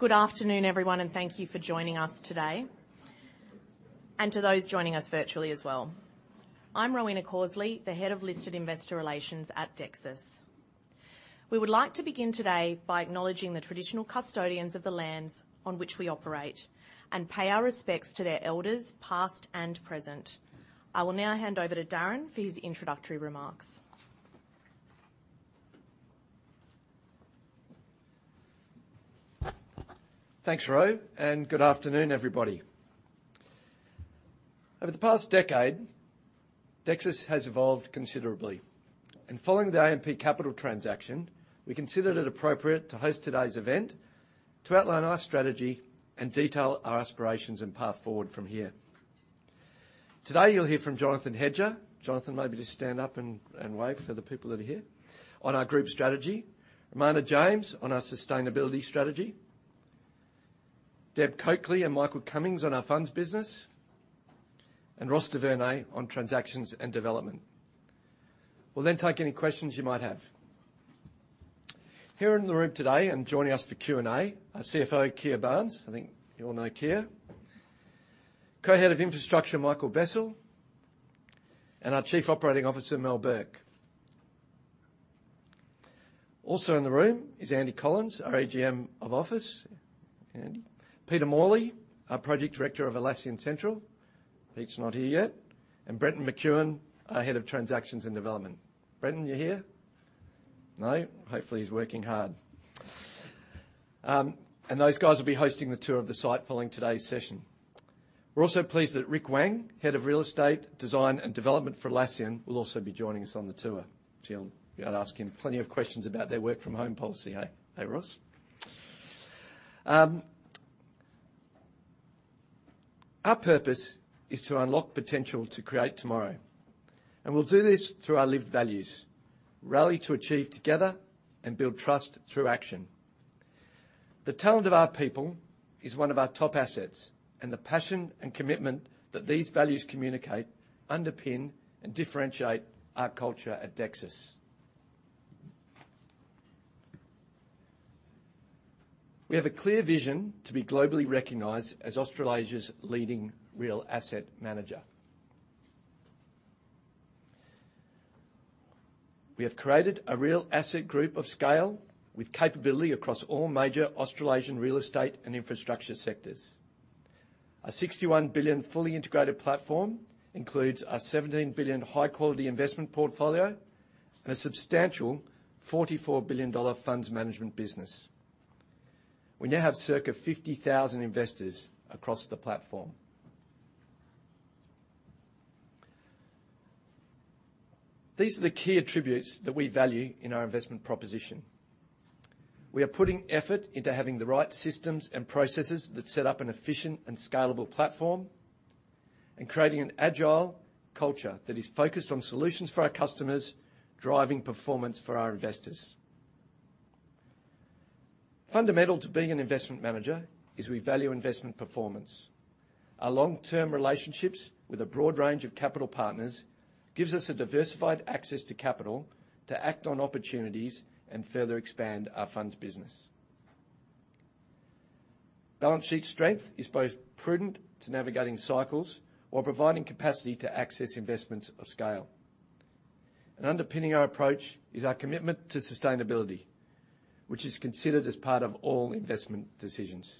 Good afternoon, everyone, and thank you for joining us today, and to those joining us virtually as well. I'm Rowena Causley, the head of Listed Investor Relations at Dexus. We would like to begin today by acknowledging the traditional custodians of the lands on which we operate and pay our respects to their elders, past and present. I will now hand over to Darren for his introductory remarks. Thanks Ro, and good afternoon, everybody. Over the past decade, Dexus has evolved considerably, and following the AMP Capital transaction, we considered it appropriate to host today's event to outline our strategy and detail our aspirations and path forward from here. Today, you'll hear from Jonathan Hedger. Jonathan, maybe just stand up and wave for the people that are here. On our group strategy, Ramana James on our sustainability strategy, Deb Coakley and Michael Cummings on our funds business, and Ross Du Vernet on transactions and development. We'll then take any questions you might have. Here in the room today and joining us for Q&A, our CFO, Keir Barnes. I think you all know Keir. Co-Head of Infrastructure, Michael Bessell, and our Chief Operating Officer, Mel Bourke. Also in the room is Andy Collins, our EGM of Office. Andy. Peter Morley, our Project Director of Atlassian Central. Pete's not here yet. Brenton McEwan, our Head of Transactions and Development. Brenton, you're here? No. Hopefully, he's working hard. And those guys will be hosting the tour of the site following today's session. We're also pleased that Ric Wang, Head of Real Estate, Design and Development for Atlassian, will also be joining us on the tour. So you'll be able to ask him plenty of questions about their work from home policy, eh, hey Ross. Our purpose is to unlock potential to create tomorrow, and we'll do this through our lived values: rally to achieve together and build trust through action. The talent of our people is one of our top assets, and the passion and commitment that these values communicate, underpin and differentiate our culture at Dexus. We have a clear vision to be globally recognized as Australasia's leading real asset manager. We have created a real asset group of scale with capability across all major Australasian real estate and infrastructure sectors. Our 61 billion fully integrated platform includes a 17 billion high-quality investment portfolio and a substantial 44 billion dollar funds management business. We now have circa 50,000 investors across the platform. These are the key attributes that we value in our investment proposition. We are putting effort into having the right systems and processes that set up an efficient and scalable platform, and creating an agile culture that is focused on solutions for our customers, driving performance for our investors. Fundamental to being an investment manager is we value investment performance. Our long-term relationships with a broad range of capital partners gives us a diversified access to capital to act on opportunities and further expand our funds business. Balance sheet strength is both prudent to navigating cycles while providing capacity to access investments of scale. Underpinning our approach is our commitment to sustainability, which is considered as part of all investment decisions.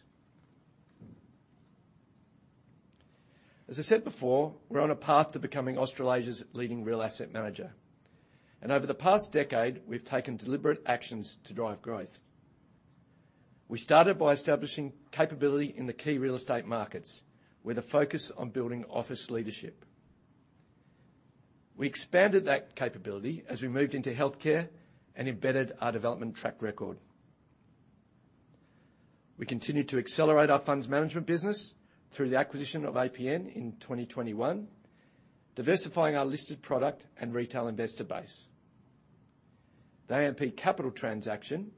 As I said before, we're on a path to becoming Australasia's leading real asset manager and over the past decade, we've taken deliberate actions to drive growth. We started by establishing capability in the key real estate markets, with a focus on building office leadership. We expanded that capability as we moved into healthcare and embedded our development track record. We continued to accelerate our funds management business through the acquisition of APN in 2021, diversifying our listed product and retail investor base. The AMP Capital transaction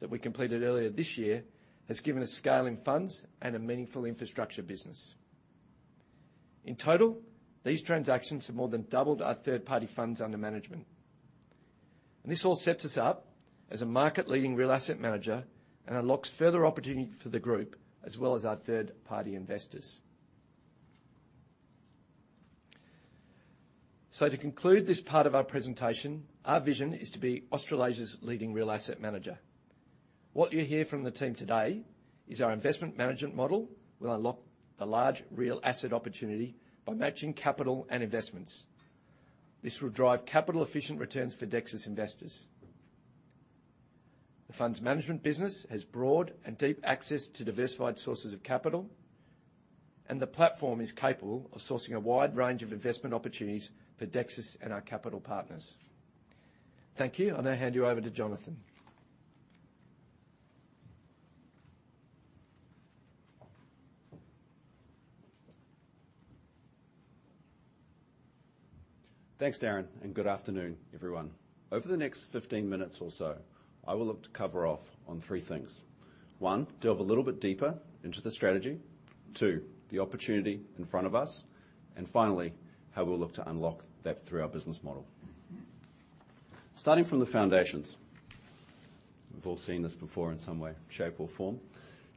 that we completed earlier this year has given us scale in funds and a meaningful infrastructure business. In total, these transactions have more than doubled our third-party funds under management, and this all sets us up as a market-leading real asset manager and unlocks further opportunity for the group, as well as our third-party investors. To conclude this part of our presentation, our vision is to be Australasia's leading real asset manager. What you'll hear from the team today is our investment management model will unlock the large real asset opportunity by matching capital and investments. This will drive capital-efficient returns for Dexus investors. The Funds Management business has broad and deep access to diversified sources of capital, and the platform is capable of sourcing a wide range of investment opportunities for Dexus and our capital partners. Thank you. I now hand you over to Jonathan. Thanks Darren, and good afternoon everyone. Over the next 15 minutes or so, I will look to cover off on three things. One, delve a little bit deeper into the strategy. Two, the opportunity in front of us, and finally, how we'll look to unlock that through our business model. Starting from the foundations, we've all seen this before in some way, shape, or form.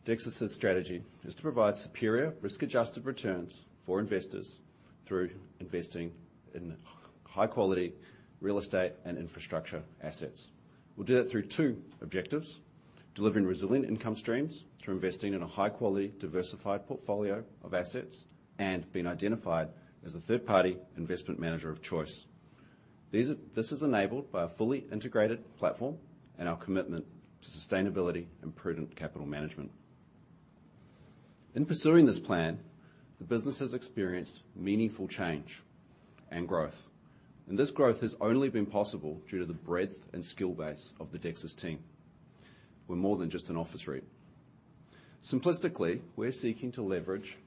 Dexus's strategy is to provide superior risk-adjusted returns for investors through investing in high-quality real estate and infrastructure assets. We'll do that through two objectives: delivering resilient income streams through investing in a high-quality, diversified portfolio of assets, and being identified as a third-party investment manager of choice. This is enabled by a fully integrated platform and our commitment to sustainability and prudent capital management. In pursuing this plan, the business has experienced meaningful change and growth, and this growth has only been possible due to the breadth and skill base of the Dexus team. We're more than just an office REIT. Simplistically, we're seeking to leverage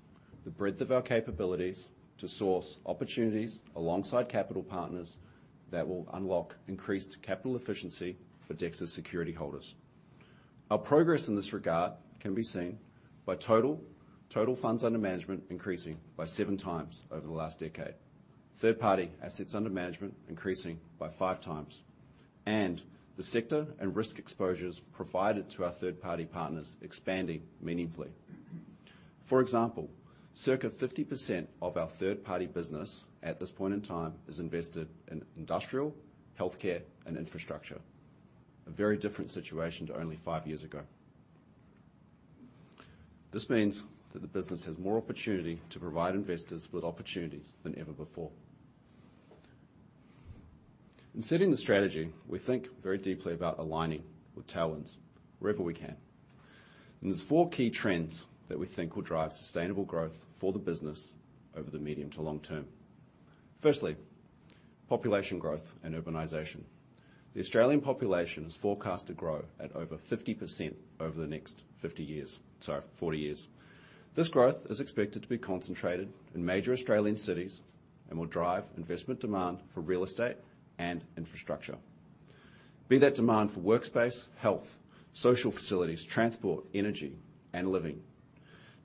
the breadth of our capabilities to source opportunities alongside capital partners that will unlock increased capital efficiency for Dexus security holders. Our progress in this regard can be seen by total funds under management increasing by seven times over the last decade, third-party assets under management increasing by five times, and the sector and risk exposures provided to our third-party partners expanding meaningfully. For example, circa 50% of our third-party business at this point in time is invested in industrial, healthcare, and infrastructure. A very different situation to only five years ago. This means that the business has more opportunity to provide investors with opportunities than ever before. In setting the strategy, we think very deeply about aligning with tailwinds wherever we can and there's four key trends that we think will drive sustainable growth for the business over the medium to long term. Firstly, population growth and urbanization. The Australian population is forecast to grow at over 50% over the next 50 years - sorry, 40 years. This growth is expected to be concentrated in major Australian cities and will drive investment demand for real estate and infrastructure. Be that demand for workspace, health, social facilities, transport, energy and living,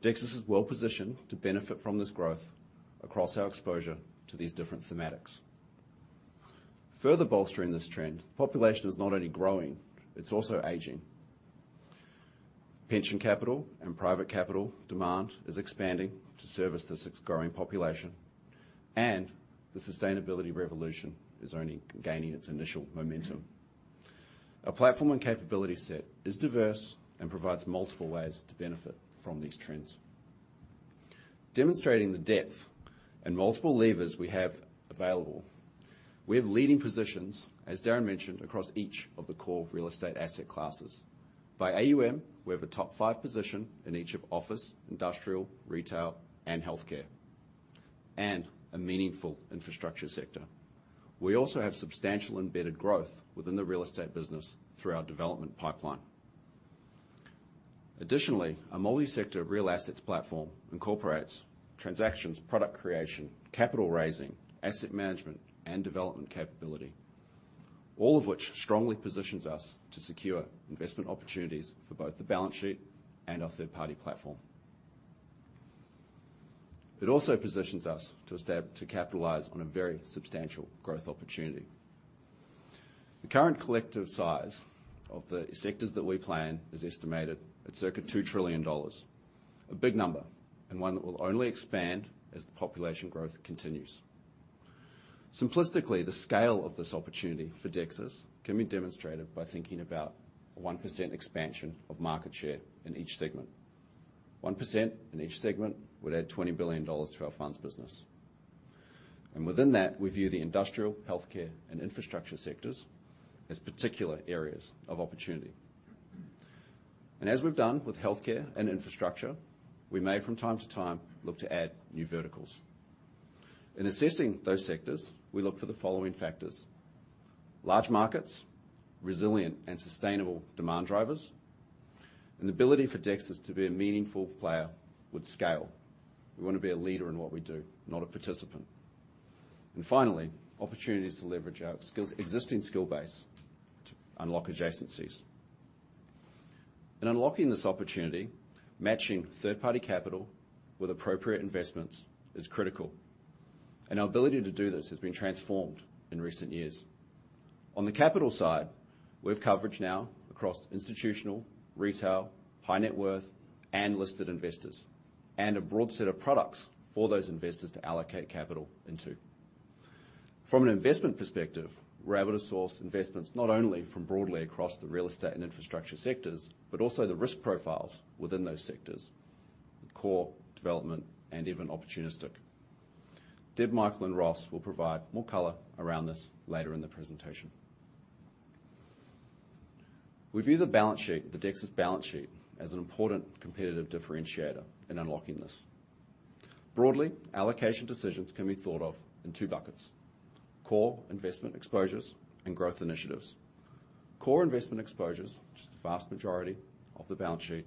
Dexus is well-positioned to benefit from this growth across our exposure to these different thematics. Further bolstering this trend, the population is not only growing, it's also aging. Pension capital and private capital demand is expanding to service this growing population and the sustainability revolution is only gaining its initial momentum. Our platform and capability set is diverse and provides multiple ways to benefit from these trends. Demonstrating the depth and multiple levers we have available, we have leading positions, as Darren mentioned, across each of the core real estate asset classes. By AUM we have a top five position in each of office, industrial, retail, and healthcare, and a meaningful infrastructure sector. We also have substantial embedded growth within the real estate business through our development pipeline. Additionally, our multi-sector real assets platform incorporates transactions, product creation, capital raising, asset management, and development capability, all of which strongly positions us to secure investment opportunities for both the balance sheet and our third-party platform. It also positions us to capitalize on a very substantial growth opportunity. The current collective size of the sectors that we plan is estimated at circa 2 trillion dollars, a big number, and one that will only expand as the population growth continues. Simplistically, the scale of this opportunity for Dexus can be demonstrated by thinking about 1% expansion of market share in each segment. 1% in each segment would add 20 billion dollars to our funds business, and within that, we view the industrial, healthcare and infrastructure sectors as particular areas of opportunity. And as we've done with healthcare and infrastructure, we may from time to time look to add new verticals. In assessing those sectors, we look for the following factors: large markets, resilient and sustainable demand drivers, and the ability for Dexus to be a meaningful player with scale. We want to be a leader in what we do, not a participant. Finally, opportunities to leverage our skills, existing skill base to unlock adjacencies. In unlocking this opportunity, matching third-party capital with appropriate investments is critical, and our ability to do this has been transformed in recent years. On the capital side, we have coverage now across institutional, retail, high net worth, and listed investors, and a broad set of products for those investors to allocate capital into. From an investment perspective, we're able to source investments not only from broadly across the real estate and infrastructure sectors, but also the risk profiles within those sectors, core development, and even opportunistic. Deb, Michael, and Ross will provide more color around this later in the presentation. We view the balance sheet, the Dexus balance sheet, as an important competitive differentiator in unlocking this. Broadly, allocation decisions can be thought of in two buckets: core investment exposures and growth initiatives. Core investment exposures, which is the vast majority of the balance sheet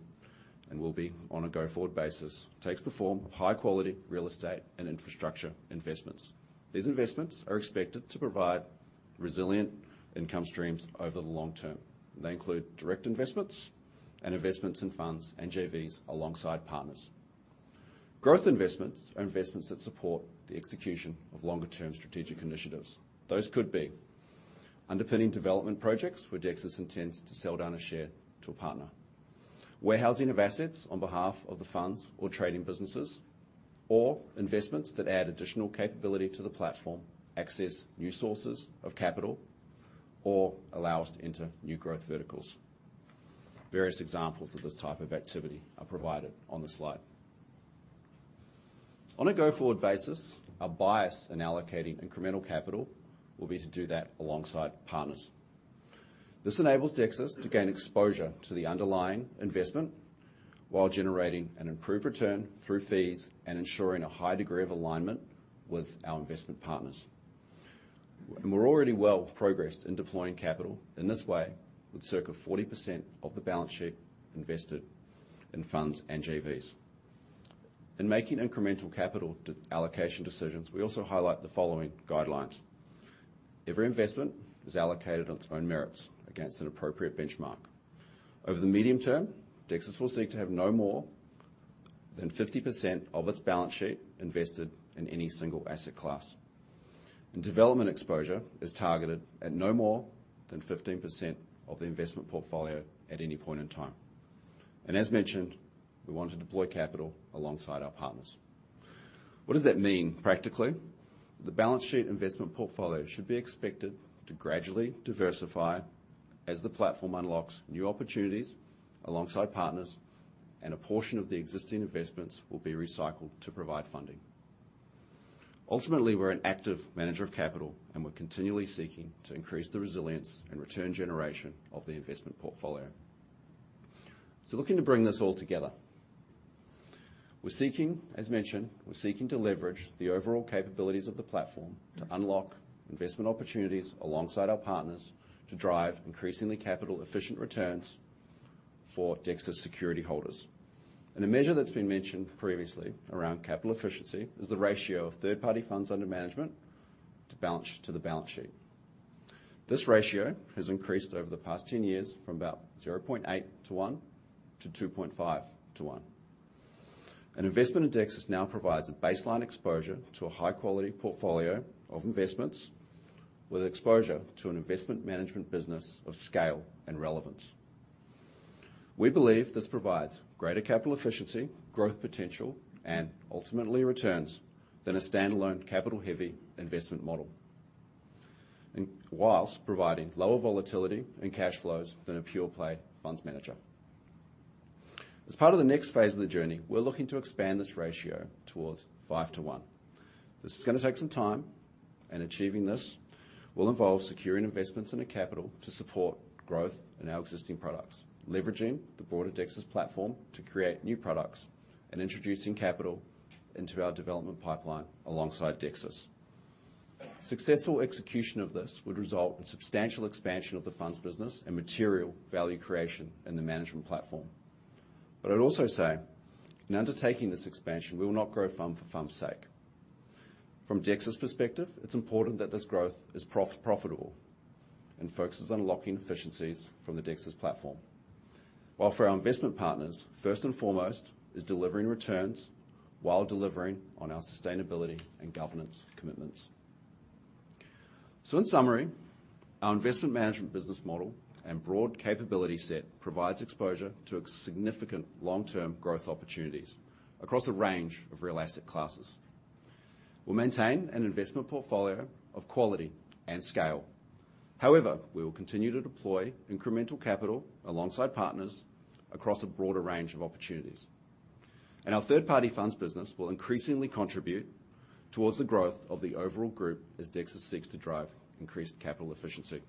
and will be on a go-forward basis, takes the form of high-quality real estate and infrastructure investments. These investments are expected to provide resilient income streams over the long term. They include direct investments and investments in funds and JVs alongside partners. Growth investments are investments that support the execution of longer-term strategic initiatives. Those could be: underpinning development projects where Dexus intends to sell down a share to a partner, warehousing of assets on behalf of the funds or trading businesses, or investments that add additional capability to the platform, access new sources of capital, or allow us to enter new growth verticals. Various examples of this type of activity are provided on the slide. On a go-forward basis, our bias in allocating incremental capital will be to do that alongside partners. This enables Dexus to gain exposure to the underlying investment while generating an improved return through fees and ensuring a high degree of alignment with our investment partners. We're already well progressed in deploying capital in this way, with circa 40% of the balance sheet invested in funds and JVs. In making incremental capital to allocation decisions, we also highlight the following guidelines: Every investment is allocated on its own merits against an appropriate benchmark. Over the medium term, Dexus will seek to have no more than 50% of its balance sheet invested in any single asset class, and development exposure is targeted at no more than 15% of the investment portfolio at any point in time. As mentioned, we want to deploy capital alongside our partners. What does that mean practically? The balance sheet investment portfolio should be expected to gradually diversify as the platform unlocks new opportunities alongside partners, and a portion of the existing investments will be recycled to provide funding. Ultimately, we're an active manager of capital, and we're continually seeking to increase the resilience and return generation of the investment portfolio. So looking to bring this all together, we're seeking. As mentioned, we're seeking to leverage the overall capabilities of the platform to unlock investment opportunities alongside our partners, to drive increasingly capital-efficient returns for Dexus security holders. And a measure that's been mentioned previously around capital efficiency is the ratio of third-party funds under management to the balance sheet. This ratio has increased over the past 10 years from about 0.8 to 1 to 2.5 to 1. An investment in Dexus now provides a baseline exposure to a high-quality portfolio of investments with exposure to an investment management business of scale and relevance. We believe this provides greater capital efficiency, growth potential, and ultimately returns than a standalone capital-heavy investment model, and while providing lower volatility and cash flows than a pure-play funds manager. As part of the next phase of the journey, we're looking to expand this ratio towards 5 to 1. This is gonna take some time, and achieving this will involve securing investments in a capital to support growth in our existing products, leveraging the broader Dexus platform to create new products, and introducing capital into our development pipeline alongside Dexus. Successful execution of this would result in substantial expansion of the funds business and material value creation in the management platform. But I'd also say, in undertaking this expansion, we will not grow fund for fund's sake. From Dexus's perspective, it's important that this growth is profitable and focuses on unlocking efficiencies from the Dexus platform. While for our investment partners, first and foremost, is delivering returns while delivering on our sustainability and governance commitments. So in summary, our investment management business model and broad capability set provides exposure to significant long-term growth opportunities across a range of real asset classes. We'll maintain an investment portfolio of quality and scale. However, we will continue to deploy incremental capital alongside partners across a broader range of opportunities. And our third-party funds business will increasingly contribute towards the growth of the overall group as Dexus seeks to drive increased capital efficiency.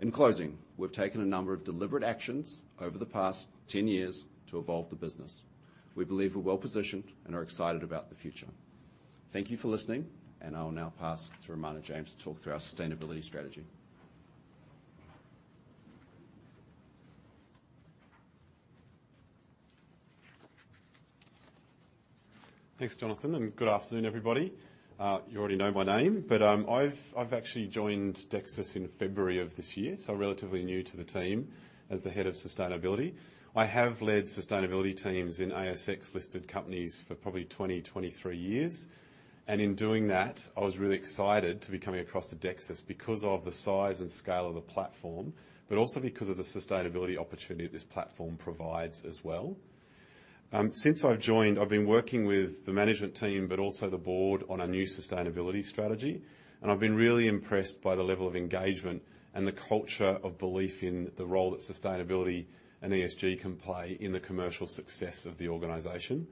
In closing, we've taken a number of deliberate actions over the past 10 years to evolve the business. We believe we're well-positioned and are excited about the future. Thank you for listening and I will now pass to Ramana James to talk through our sustainability strategy. Thanks Jonathan, and good afternoon, everybody. You already know my name, but I've actually joined Dexus in February of this year, so relatively new to the team as the Head of Sustainability. I have led sustainability teams in ASX-listed companies for probably 23 years, and in doing that, I was really excited to be coming across to Dexus because of the size and scale of the platform, but also because of the sustainability opportunity this platform provides as well. Since I've joined, I've been working with the management team, but also the board on a new sustainability strategy, and I've been really impressed by the level of engagement and the culture of belief in the role that sustainability and ESG can play in the commercial success of the organization.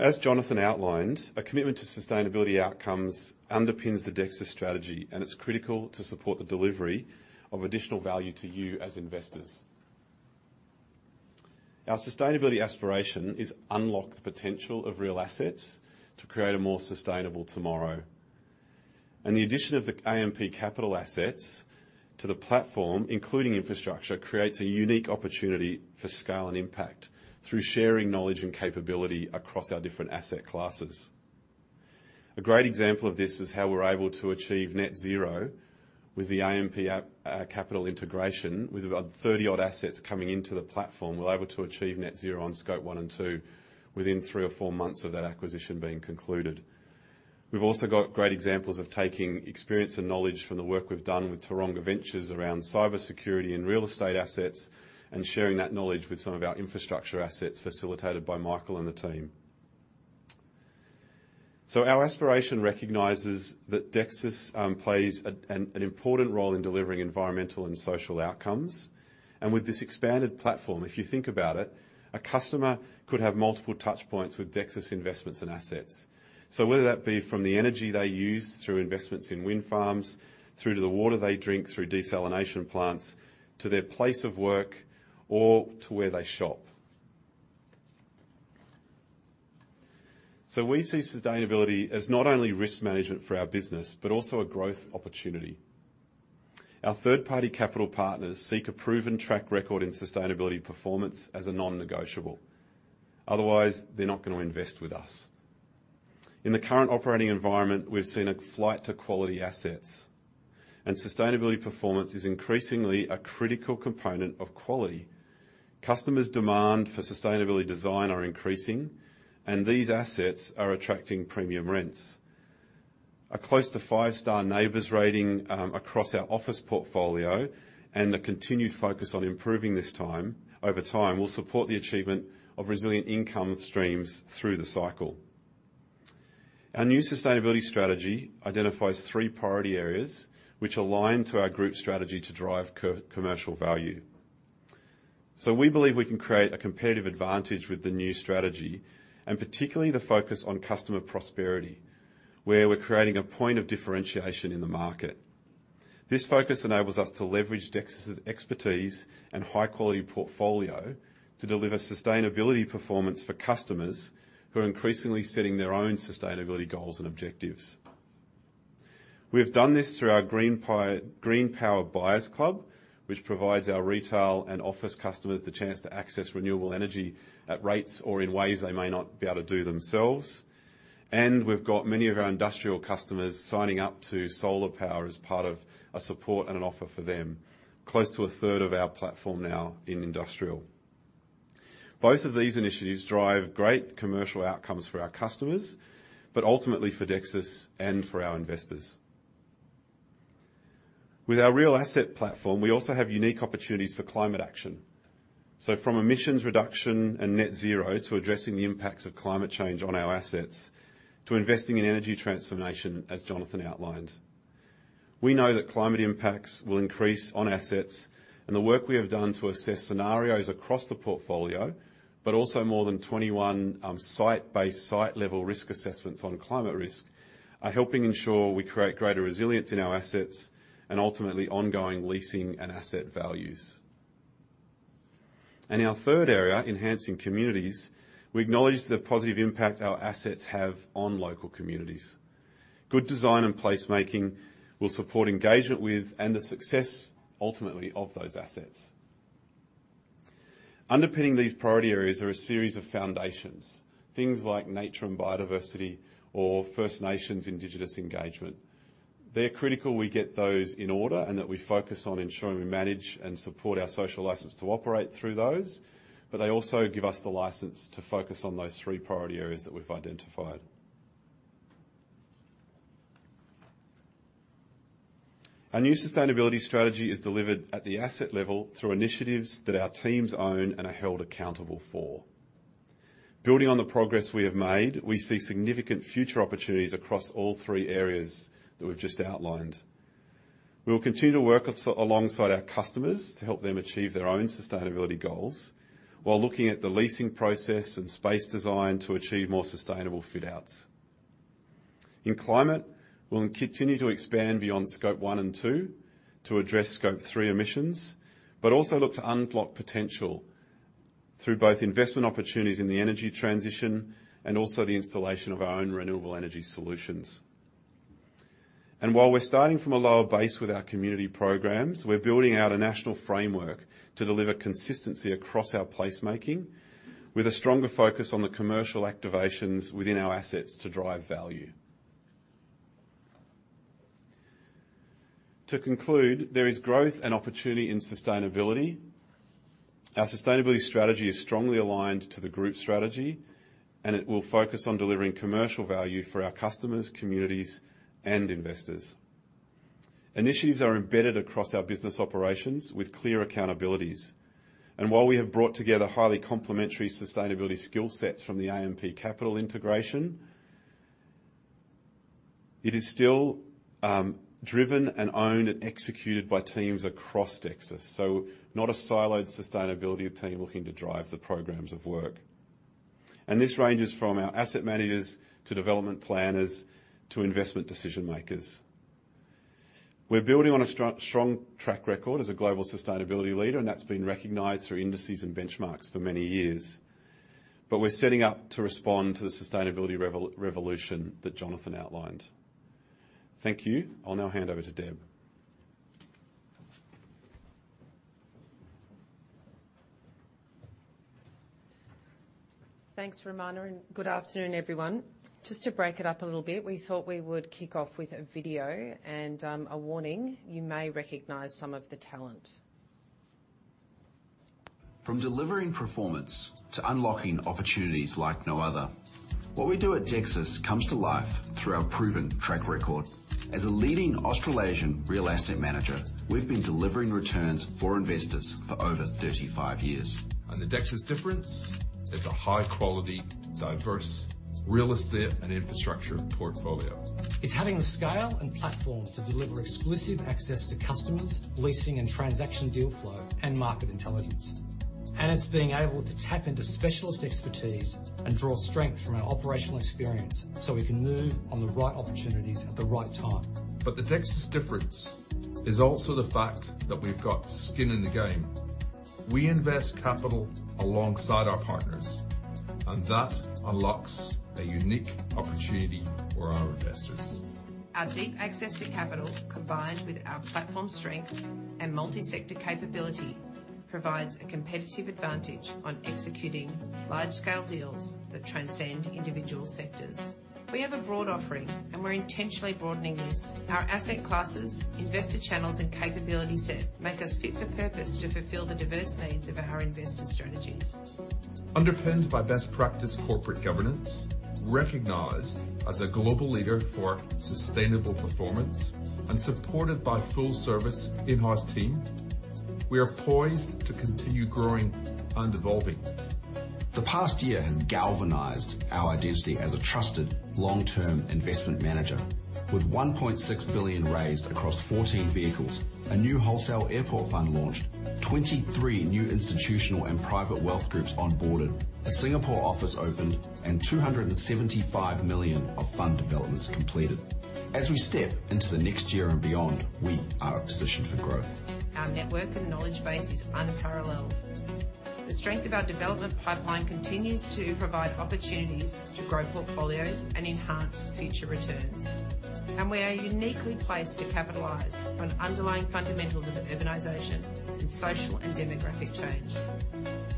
As Jonathan outlined, a commitment to sustainability outcomes underpins the Dexus strategy and it's critical to support the delivery of additional value to you as investors. Our sustainability aspiration is unlock the potential of real assets to create a more sustainable tomorrow. The addition of the AMP Capital assets to the platform, including infrastructure, creates a unique opportunity for scale and impact through sharing knowledge and capability across our different asset classes. A great example of this is how we're able to achieve net zero with the AMP Capital integration. With about 30-odd assets coming into the platform, we're able to achieve net zero on Scope 1 and 2 within 3 or 4 months of that acquisition being concluded. We've also got great examples of taking experience and knowledge from the work we've done with Taronga Ventures around cybersecurity and real estate assets, and sharing that knowledge with some of our infrastructure assets, facilitated by Michael and the team. So our aspiration recognizes that Dexus plays an important role in delivering environmental and social outcomes, and with this expanded platform, if you think about it, a customer could have multiple touch points with Dexus investments and assets. So whether that be from the energy they use through investments in wind farms, through to the water they drink through desalination plants, to their place of work, or to where they shop. So we see sustainability as not only risk management for our business, but also a growth opportunity. Our third-party capital partners seek a proven track record in sustainability performance as a non-negotiable. Otherwise, they're not going to invest with us. In the current operating environment, we've seen a flight to quality assets, and sustainability performance is increasingly a critical component of quality. Customers' demand for sustainability design are increasing, and these assets are attracting premium rents. A close to five-star NABERS rating across our office portfolio and a continued focus on improving this over time will support the achievement of resilient income streams through the cycle. Our new sustainability strategy identifies three priority areas which align to our group strategy to drive co-commercial value. So we believe we can create a competitive advantage with the new strategy, and particularly the focus on customer prosperity, where we're creating a point of differentiation in the market. This focus enables us to leverage Dexus's expertise and high-quality portfolio to deliver sustainability performance for customers who are increasingly setting their own sustainability goals and objectives. We've done this through our GreenPower Buyers Club, which provides our retail and office customers the chance to access renewable energy at rates or in ways they may not be able to do themselves. And we've got many of our industrial customers signing up to solar power as part of a support and an offer for them, close to a third of our platform now in industrial. Both of these initiatives drive great commercial outcomes for our customers, but ultimately for Dexus and for our investors. With our real asset platform, we also have unique opportunities for climate action. So from emissions reduction and net zero, to addressing the impacts of climate change on our assets, to investing in energy transformation, as Jonathan outlined. We know that climate impacts will increase on assets and the work we have done to assess scenarios across the portfolio, but also more than 21 site-based, site-level risk assessments on climate risk, are helping ensure we create greater resilience in our assets and ultimately ongoing leasing and asset values. In our third area, enhancing communities, we acknowledge the positive impact our assets have on local communities. Good design and placemaking will support engagement with and the success ultimately of those assets. Underpinning these priority areas are a series of foundations, things like nature and biodiversity or First Nations indigenous engagement. They're critical we get those in order and that we focus on ensuring we manage and support our social license to operate through those, but they also give us the license to focus on those three priority areas that we've identified. Our new sustainability strategy is delivered at the asset level through initiatives that our teams own and are held accountable for. Building on the progress we have made, we see significant future opportunities across all three areas that we've just outlined. We will continue to work alongside our customers to help them achieve their own sustainability goals, while looking at the leasing process and space design to achieve more sustainable fit outs. In climate, we'll continue to expand beyond Scope 1 and 2 address Scope 3 emissions but also look to unblock potential through both investment opportunities in the energy transition and also the installation of our own renewable energy solutions. While we're starting from a lower base with our community programs, we're building out a national framework to deliver consistency across our placemaking, with a stronger focus on the commercial activations within our assets to drive value. To conclude, there is growth and opportunity in sustainability. Our sustainability strategy is strongly aligned to the group strategy, and it will focus on delivering commercial value for our customers, communities, and investors. Initiatives are embedded across our business operations with clear accountabilities, and while we have brought together highly complementary sustainability skill sets from the AMP Capital integration, it is still driven and owned and executed by teams across Dexus. So not a siloed sustainability team looking to drive the programs of work. This ranges from our asset managers to development planners, to investment decision makers. We're building on a strong track record as a global sustainability leader, and that's been recognized through indices and benchmarks for many years, but we're setting up to respond to the sustainability revolution that Jonathan outlined. Thank you. I'll now hand over to Deb. Thanks Ramana, and good afternoon everyone. Just to break it up a little bit, we thought we would kick off with a video, and, a warning, you may recognize some of the talent. From delivering performance to unlocking opportunities like no other, what we do at Dexus comes to life through our proven track record. As a leading Australasian real asset manager, we've been delivering returns for investors for over 35 years. The Dexus difference is a high-quality, diverse real estate and infrastructure portfolio. It's having the scale and platform to deliver exclusive access to customers, leasing and transaction deal flow, and market intelligence. It's being able to tap into specialist expertise and draw strength from our operational experience, so we can move on the right opportunities at the right time. The Dexus difference is also the fact that we've got skin in the game. We invest capital alongside our partners, and that unlocks a unique opportunity for our investors. Our deep access to capital, combined with our platform strength and multi-sector capability, provides a competitive advantage on executing large-scale deals that transcend individual sectors. We have a broad offering, and we're intentionally broadening this. Our asset classes, investor channels, and capability set make us fit for purpose to fulfill the diverse needs of our investor strategies. Underpinned by best practice corporate governance, recognized as a global leader for sustainable performance, and supported by full service in-house team, we are poised to continue growing and evolving. The past year has galvanized our identity as a trusted long-term investment manager. With 1.6 billion raised across 14 vehicles, a new wholesale airport fund launched, 23 new institutional and private wealth groups onboarded, a Singapore office opened, and 275 million of fund developments completed. As we step into the next year and beyond, we are positioned for growth. Our network and knowledge base is unparalleled. The strength of our development pipeline continues to provide opportunities to grow portfolios and enhance future returns, and we are uniquely placed to capitalize on underlying fundamentals of urbanization and social and demographic change.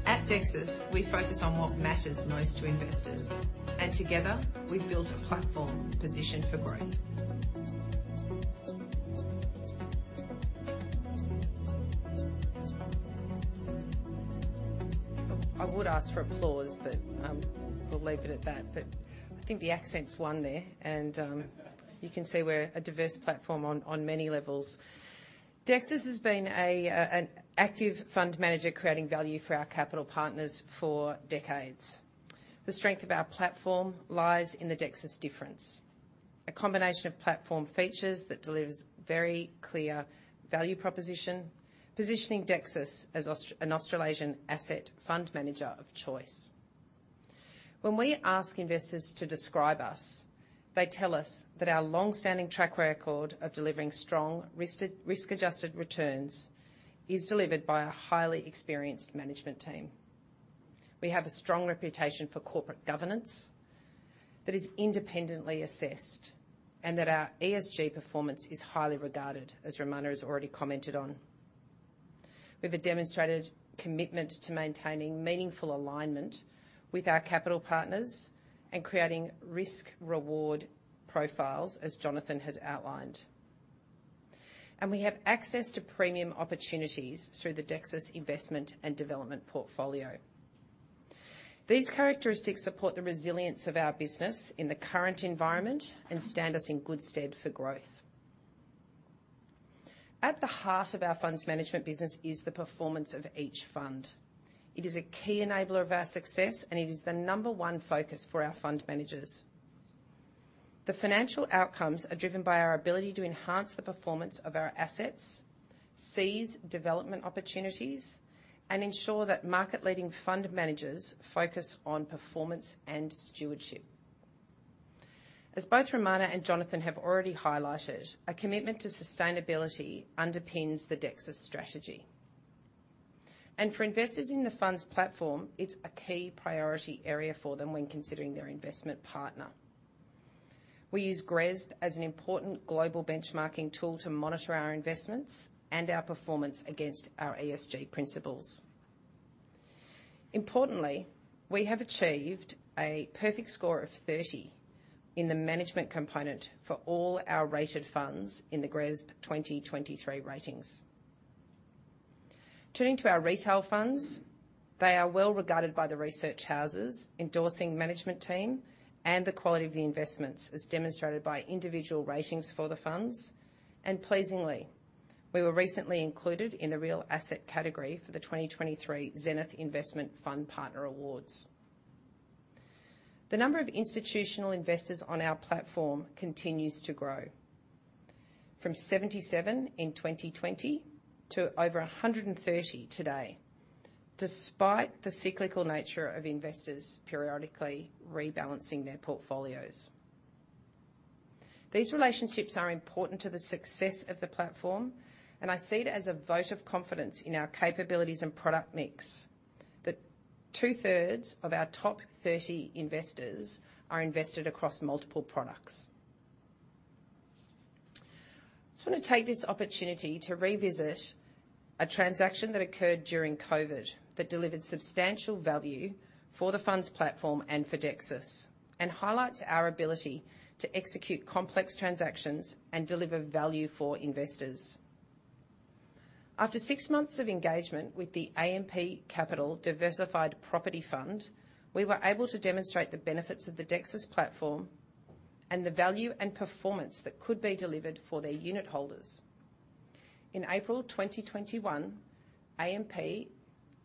At Dexus, we focus on what matters most to investors, and together we've built a platform positioned for growth. I would ask for applause, but we'll leave it at that. But I think the accents won there, and you can see we're a diverse platform on many levels. Dexus has been an active fund manager, creating value for our capital partners for decades. The strength of our platform lies in the Dexus difference, a combination of platform features that delivers very clear value proposition, positioning Dexus as an Australasian asset fund manager of choice. When we ask investors to describe us, they tell us that our long-standing track record of delivering strong, risk-adjusted returns is delivered by a highly experienced management team. We have a strong reputation for corporate governance that is independently assessed, and that our ESG performance is highly regarded, as Ramana has already commented on. We have a demonstrated commitment to maintaining meaningful alignment with our capital partners and creating risk-reward profiles, as Jonathan has outlined. And we have access to premium opportunities through the Dexus Investment and Development portfolio. These characteristics support the resilience of our business in the current environment and stand us in good stead for growth. At the heart of our funds management business is the performance of each fund. It is a key enabler of our success, and it is the number one focus for our fund managers. The financial outcomes are driven by our ability to enhance the performance of our assets, seize development opportunities, and ensure that market-leading fund managers focus on performance and stewardship. As both Romana and Jonathan have already highlighted, a commitment to sustainability underpins the Dexus strategy, and for investors in the funds platform, it's a key priority area for them when considering their investment partner. We use GRESB as an important global benchmarking tool to monitor our investments and our performance against our ESG principles. Importantly, we have achieved a perfect score of 30 in the management component for all our rated funds in the GRESB 2023 ratings. Turning to our retail funds, they are well-regarded by the research houses, endorsing management team and the quality of the investments, as demonstrated by individual ratings for the funds. Pleasingly, we were recently included in the real asset category for the 2023 Zenith Investment Fund Partner Awards. The number of institutional investors on our platform continues to grow, from 77 in 2020 to over 130 today, despite the cyclical nature of investors periodically rebalancing their portfolios. These relationships are important to the success of the platform, and I see it as a vote of confidence in our capabilities and product mix, that two-thirds of our top 30 investors are invested across multiple products. I just want to take this opportunity to revisit a transaction that occurred during COVID, that delivered substantial value for the funds platform and for Dexus, and highlights our ability to execute complex transactions and deliver value for investors. After six months of engagement with the AMP Capital Diversified Property Fund, we were able to demonstrate the benefits of the Dexus platform and the value and performance that could be delivered for their unit holders. In April 2021, AMP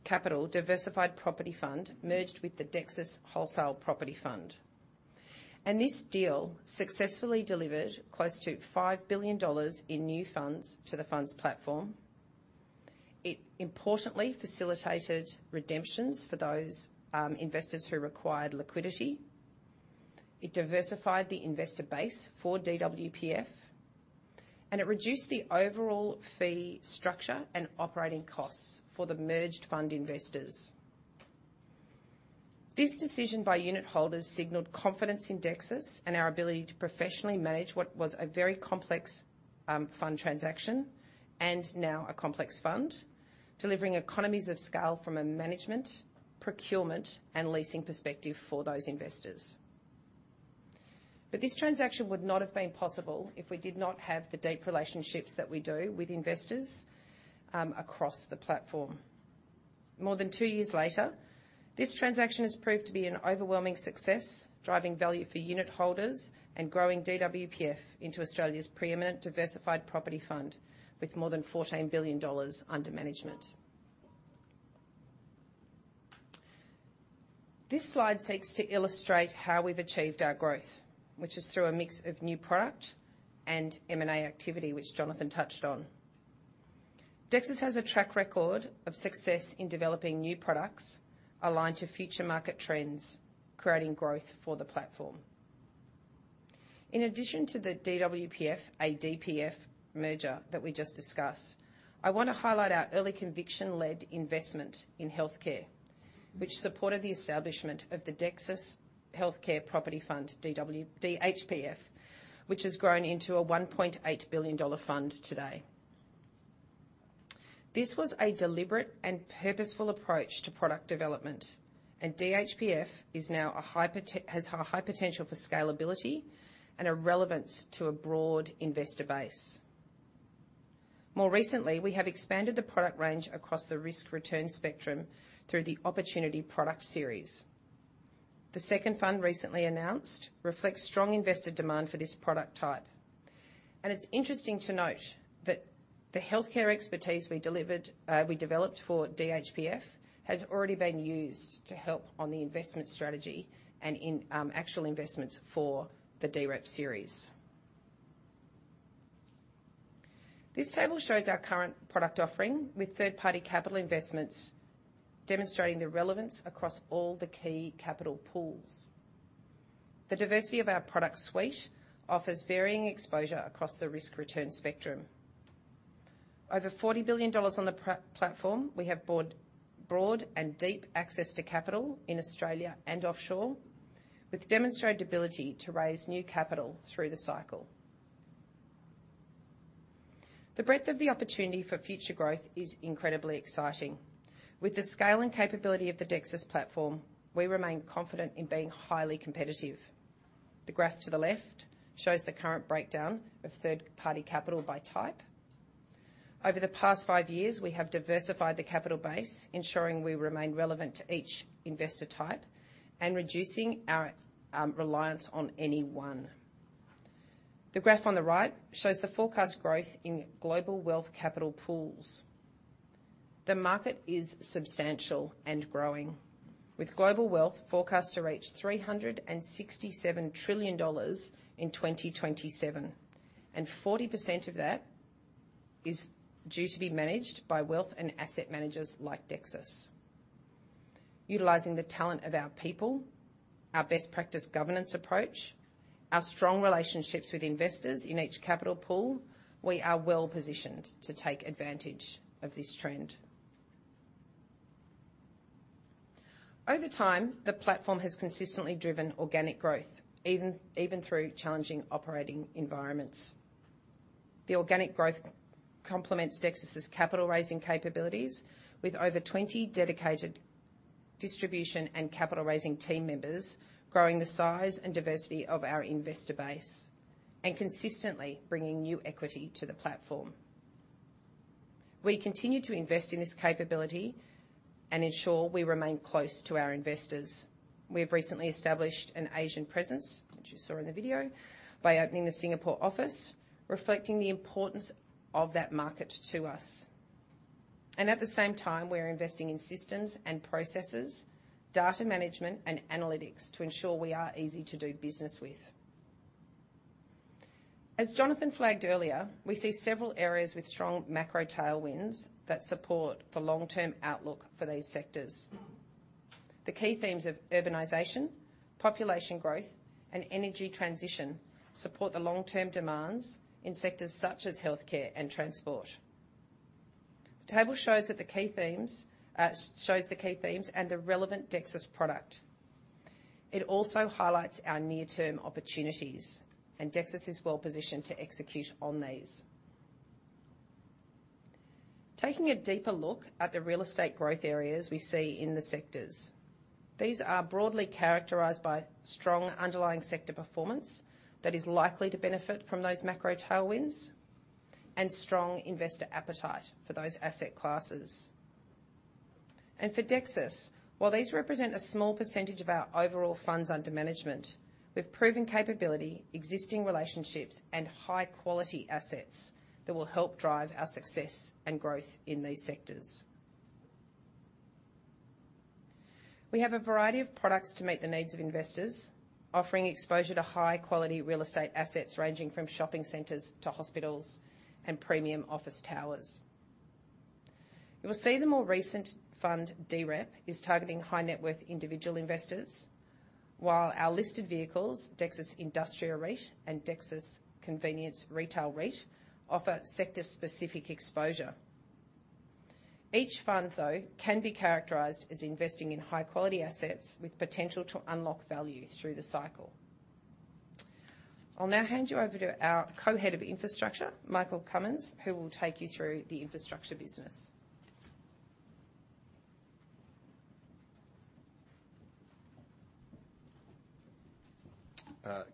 Capital Diversified Property Fund merged with the Dexus Wholesale Property Fund, and this deal successfully delivered close to 5 billion dollars in new funds to the funds platform. It importantly facilitated redemptions for those investors who required liquidity. It diversified the investor base for DWPF, and it reduced the overall fee structure and operating costs for the merged fund investors. This decision by unit holders signaled confidence in Dexus and our ability to professionally manage what was a very complex fund transaction, and now a complex fund, delivering economies of scale from a management, procurement, and leasing perspective for those investors. But this transaction would not have been possible if we did not have the deep relationships that we do with investors, across the platform. More than two years later, this transaction has proved to be an overwhelming success, driving value for unit holders and growing DWPF into Australia's pre-eminent diversified property fund with more than 14 billion dollars under management. This slide seeks to illustrate how we've achieved our growth which is through a mix of new product and M&A activity, which Jonathan touched on. Dexus has a track record of success in developing new products aligned to future market trends, creating growth for the platform. In addition to the DWPF, a DPF merger that we just discussed, I want to highlight our early conviction-led investment in healthcare which supported the establishment of the Dexus Healthcare Property Fund, DHPF, which has grown into a 1.8 billion dollar fund today. This was a deliberate and purposeful approach to product development, and DHPF is now has a high potential for scalability and a relevance to a broad investor base. More recently, we have expanded the product range across the risk-return spectrum through the opportunity product series. The second fund, recently announced, reflects strong investor demand for this product type. And it's interesting to note that the healthcare expertise we delivered, we developed for DHPF, has already been used to help on the investment strategy and in, actual investments for the DREP series. This table shows our current product offering, with third-party capital investments demonstrating the relevance across all the key capital pools. The diversity of our product suite offers varying exposure across the risk-return spectrum. Over 40 billion dollars on the platform, we have broad, broad and deep access to capital in Australia and offshore, with demonstrated ability to raise new capital through the cycle. The breadth of the opportunity for future growth is incredibly exciting. With the scale and capability of the Dexus platform, we remain confident in being highly competitive. The graph to the left shows the current breakdown of third-party capital by type. Over the past five years, we have diversified the capital base, ensuring we remain relevant to each investor type and reducing our reliance on any one. The graph on the right shows the forecast growth in global wealth capital pools. The market is substantial and growing, with global wealth forecast to reach $367 trillion in 2027, and 40% of that is due to be managed by wealth and asset managers like Dexus. Utilizing the talent of our people, our best practice governance approach, our strong relationships with investors in each capital pool, we are well-positioned to take advantage of this trend. Over time, the platform has consistently driven organic growth, even through challenging operating environments. The organic growth complements Dexus's capital raising capabilities, with over 20 dedicated distribution and capital raising team members, growing the size and diversity of our investor base and consistently bringing new equity to the platform. We continue to invest in this capability and ensure we remain close to our investors. We have recently established an Asian presence, which you saw in the video, by opening the Singapore office, reflecting the importance of that market to us. At the same time, we're investing in systems and processes, data management, and analytics to ensure we are easy to do business with. As Jonathan flagged earlier, we see several areas with strong macro tailwinds that support the long-term outlook for these sectors. The key themes of urbanization, population growth, and energy transition support the long-term demands in sectors such as healthcare and transport. The table shows that the key themes, shows the key themes and the relevant Dexus product. It also highlights our near-term opportunities, and Dexus is well-positioned to execute on these. Taking a deeper look at the real estate growth areas we see in the sectors, these are broadly characterized by strong underlying sector performance that is likely to benefit from those macro tailwinds and strong investor appetite for those asset classes. For Dexus, while these represent a small percentage of our overall funds under management, with proven capability, existing relationships, and high-quality assets, that will help drive our success and growth in these sectors. We have a variety of products to meet the needs of investors, offering exposure to high-quality real estate assets, ranging from shopping centers to hospitals and premium office towers. You will see the more recent fund, DREP, is targeting high-net-worth individual investors, while our listed vehicles, Dexus Industria REIT and Dexus Convenience Retail REIT, offer sector-specific exposure. Each fund though can be characterized as investing in high-quality assets with potential to unlock value through the cycle. I'll now hand you over to our Co-Head of Infrastructure, Michael Cummings, who will take you through the infrastructure business.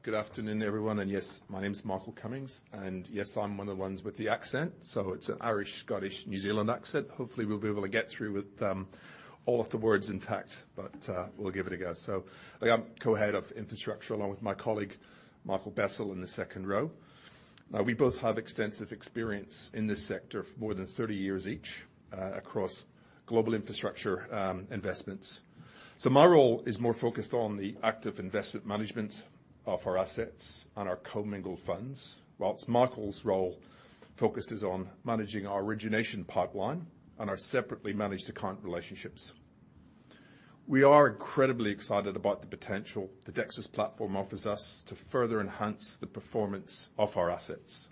Good afternoon everyone, and yes my name is Michael Cummings, and yes, I'm one of the ones with the accent, so it's an Irish, Scottish, New Zealand accent. Hopefully, we'll be able to get through with all of the words intact, but we'll give it a go. So I'm Co-Head of Infrastructure, along with my colleague, Michael Bessell, in the second row. We both have extensive experience in this sector for more than 30 years each, across global infrastructure investments. So my role is more focused on the active investment management of our assets and our commingled funds, whilst Michael's role focuses on managing our origination pipeline and our separately managed account relationships. We are incredibly excited about the potential the Dexus platform offers us to further enhance the performance of our assets.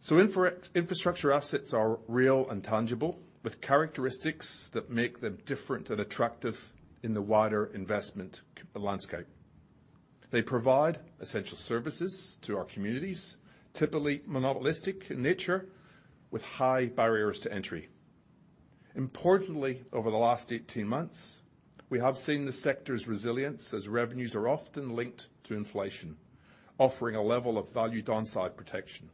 So infrastructure assets are real and tangible, with characteristics that make them different and attractive in the wider investment landscape. They provide essential services to our communities, typically monopolistic in nature, with high barriers to entry. Importantly, over the last 18 months, we have seen the sector's resilience as revenues are often linked to inflation, offering a level of valued downside protection.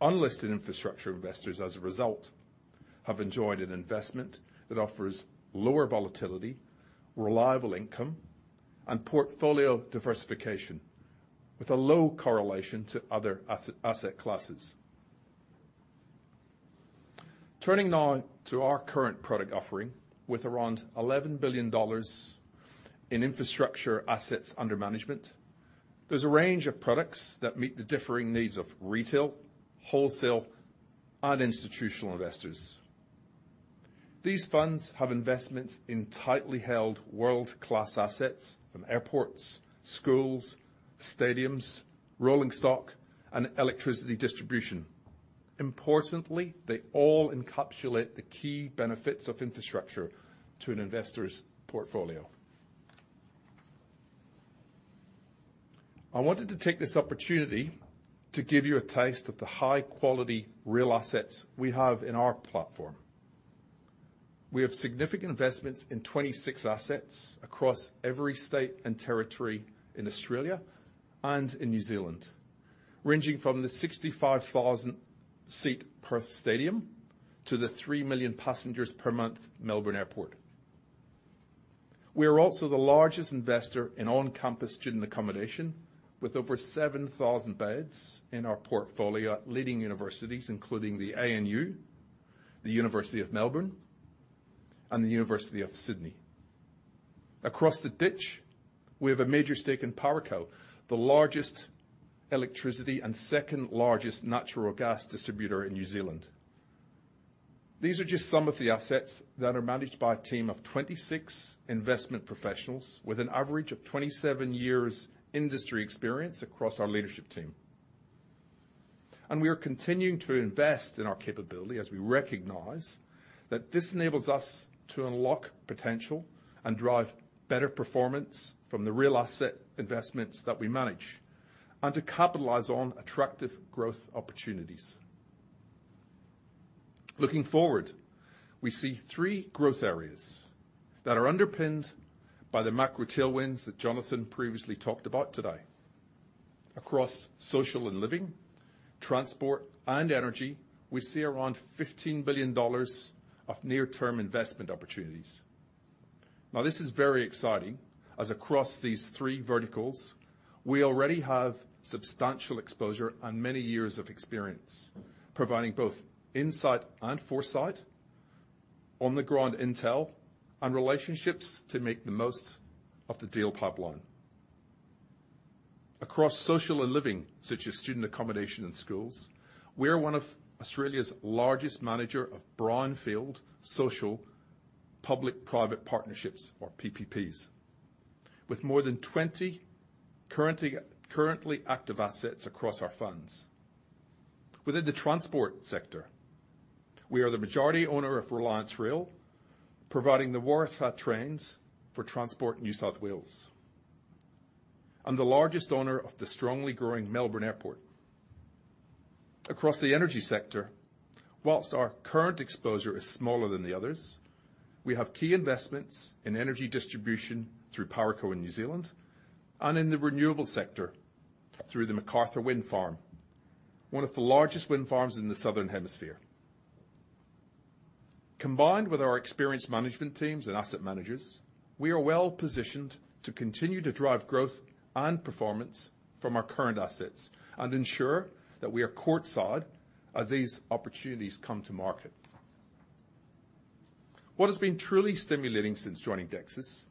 Unlisted infrastructure investors, as a result, have enjoyed an investment that offers lower volatility, reliable income, and portfolio diversification, with a low correlation to other asset classes. Turning now to our current product offering, with around 11 billion dollars in infrastructure assets under management, there's a range of products that meet the differing needs of retail, wholesale, and institutional investors. These funds have investments in tightly held world-class assets, from airports, schools, stadiums, rolling stock, and electricity distribution. Importantly, they all encapsulate the key benefits of infrastructure to an investor's portfolio. I wanted to take this opportunity to give you a taste of the high-quality real assets we have in our platform. We have significant investments in 26 assets across every state and territory in Australia and in New Zealand, ranging from the 65,000-seat Perth Stadium to the 3,000,000 passengers per month, Melbourne Airport. We are also the largest investor in on-campus student accommodation, with over 7,000 beds in our portfolio at leading universities, including the ANU, the University of Melbourne, and the University of Sydney. Across the ditch, we have a major stake in Powerco, the largest electricity and second-largest natural gas distributor in New Zealand. These are just some of the assets that are managed by a team of 26 investment professionals with an average of 27 years industry experience across our leadership team. We are continuing to invest in our capability as we recognize that this enables us to unlock potential and drive better performance from the real asset investments that we manage, and to capitalize on attractive growth opportunities. Looking forward, we see three growth areas that are underpinned by the macro tailwinds that Jonathan previously talked about today. Across social and living, transport, and energy, we see around 15 billion dollars of near-term investment opportunities. Now, this is very exciting, as across these three verticals, we already have substantial exposure and many years of experience, providing both insight and foresight, on-the-ground intel, and relationships to make the most of the deal pipeline. Across social and living, such as student accommodation and schools, we are one of Australia's largest manager of brownfield social public-private partnerships, or PPPs with more than 20 currently active assets across our funds. Within the transport sector, we are the majority owner of Reliance Rail, providing the Waratah trains for transport in New South Wales, and the largest owner of the strongly growing Melbourne Airport. Across the energy sector, while our current exposure is smaller than the others, we have key investments in energy distribution through Powerco in New Zealand, and in the renewable sector through the Macarthur Wind Farm, one of the largest wind farms in the Southern Hemisphere. Combined with our experienced management teams and asset managers, we are well-positioned to continue to drive growth and performance from our current assets and ensure that we are courtside as these opportunities come to market. What has been truly stimulating since joining Dexus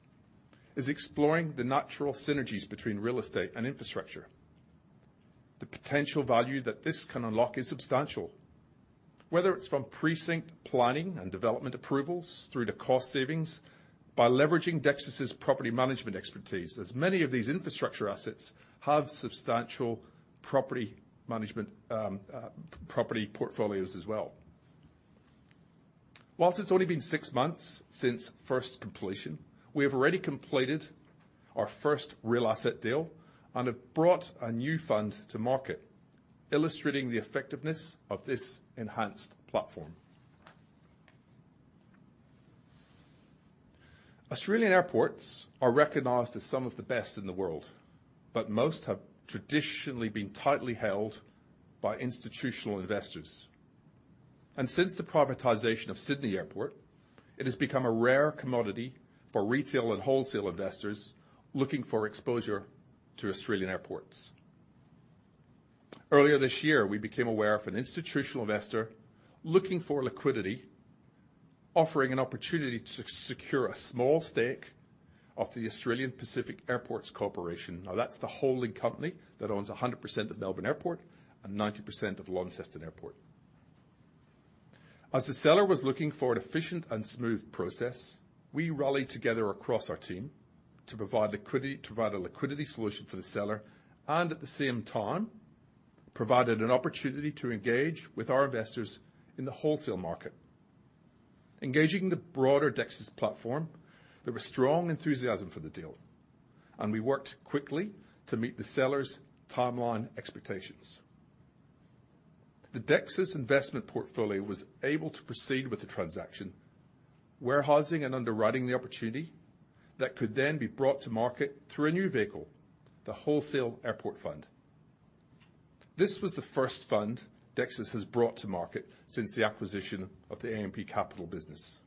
is exploring the natural synergies between real estate and infrastructure. The potential value that this can unlock is substantial. Whether it's from precinct planning and development approvals through to cost savings by leveraging Dexus's property management expertise, as many of these infrastructure assets have substantial property management, property portfolios as well. While it's only been six months since first completion, we have already completed our first real asset deal and have brought a new fund to market, illustrating the effectiveness of this enhanced platform. Australian airports are recognized as some of the best in the world, but most have traditionally been tightly held by institutional investors. Since the privatization of Sydney Airport, it has become a rare commodity for retail and wholesale investors looking for exposure to Australian airports. Earlier this year, we became aware of an institutional investor looking for liquidity, offering an opportunity to secure a small stake of the Australian Pacific Airports Corporation. Now, that's the holding company that owns 100% of Melbourne Airport and 90% of Launceston Airport. As the seller was looking for an efficient and smooth process, we rallied together across our team to provide liquidity, to provide a liquidity solution for the seller and at the same time, provided an opportunity to engage with our investors in the wholesale market. Engaging the broader Dexus platform, there was strong enthusiasm for the deal, and we worked quickly to meet the seller's timeline expectations. The Dexus Investment portfolio was able to proceed with the transaction, warehousing and underwriting the opportunity that could then be brought to market through a new vehicle, the Wholesale Airport Fund. This was the first fund Dexus has brought to market since the acquisition of the AMP Capital business.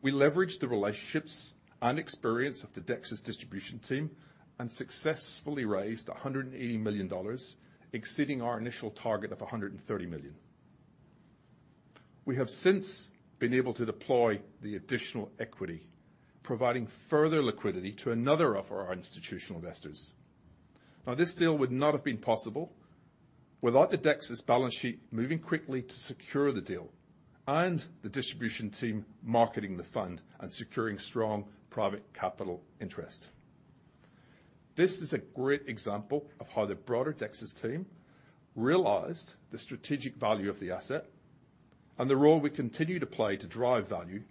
We leveraged the relationships and experience of the Dexus distribution team and successfully raised 180 million dollars, exceeding our initial target of 130 million. We have since been able to deploy the additional equity, providing further liquidity to another of our institutional investors. Now, this deal would not have been possible without the Dexus balance sheet moving quickly to secure the deal and the distribution team marketing the fund and securing strong private capital interest. This is a great example of how the broader Dexus team realized the strategic value of the asset and the role we continue to play to drive value,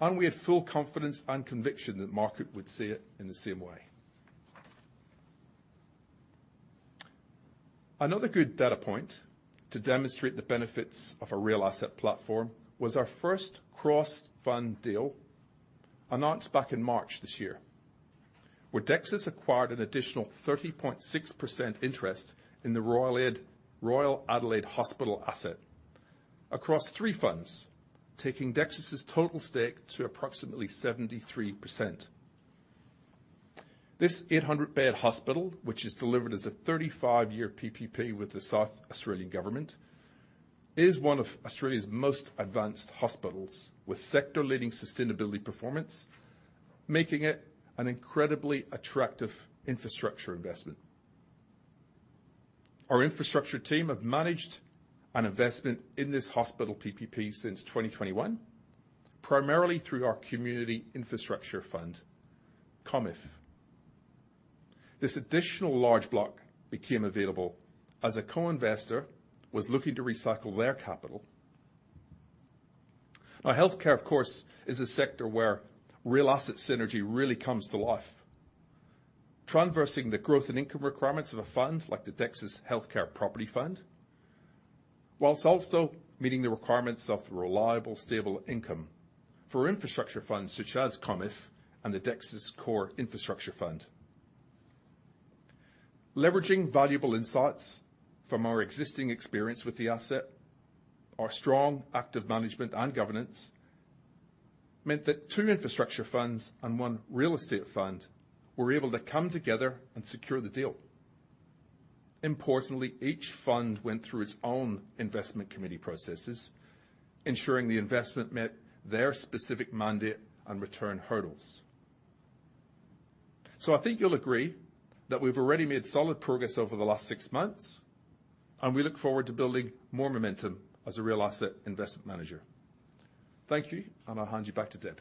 and we had full confidence and conviction that the market would see it in the same way. Another good data point to demonstrate the benefits of a real asset platform was our first cross-fund deal announced back in March this year, where Dexus acquired an additional 30.6% interest in the Royal Adelaide Hospital asset across three funds, taking Dexus's total stake to approximately 73%. This 800-bed hospital, which is delivered as a 35-year PPP with the South Australian Government, is one of Australia's most advanced hospitals, with sector-leading sustainability performance, making it an incredibly attractive infrastructure investment. Our infrastructure team have managed an investment in this hospital PPP since 2021, primarily through our community infrastructure fund, CommIF. This additional large block became available as a co-investor was looking to recycle their capital. Now healthcare of course is a sector where real asset synergy really comes to life, traversing the growth and income requirements of a fund like the Dexus Healthcare Property Fund, while also meeting the requirements of the reliable, stable income for infrastructure funds such as CommIF and the Dexus Core Infrastructure Fund. Leveraging valuable insights from our existing experience with the asset, our strong active management and governance meant that two infrastructure funds and one real estate fund were able to come together and secure the deal. Importantly, each fund went through its own investment committee processes, ensuring the investment met their specific mandate and return hurdles... So I think you'll agree that we've already made solid progress over the last six months, and we look forward to building more momentum as a real asset investment manager. Thank you, and I'll hand you back to Deb.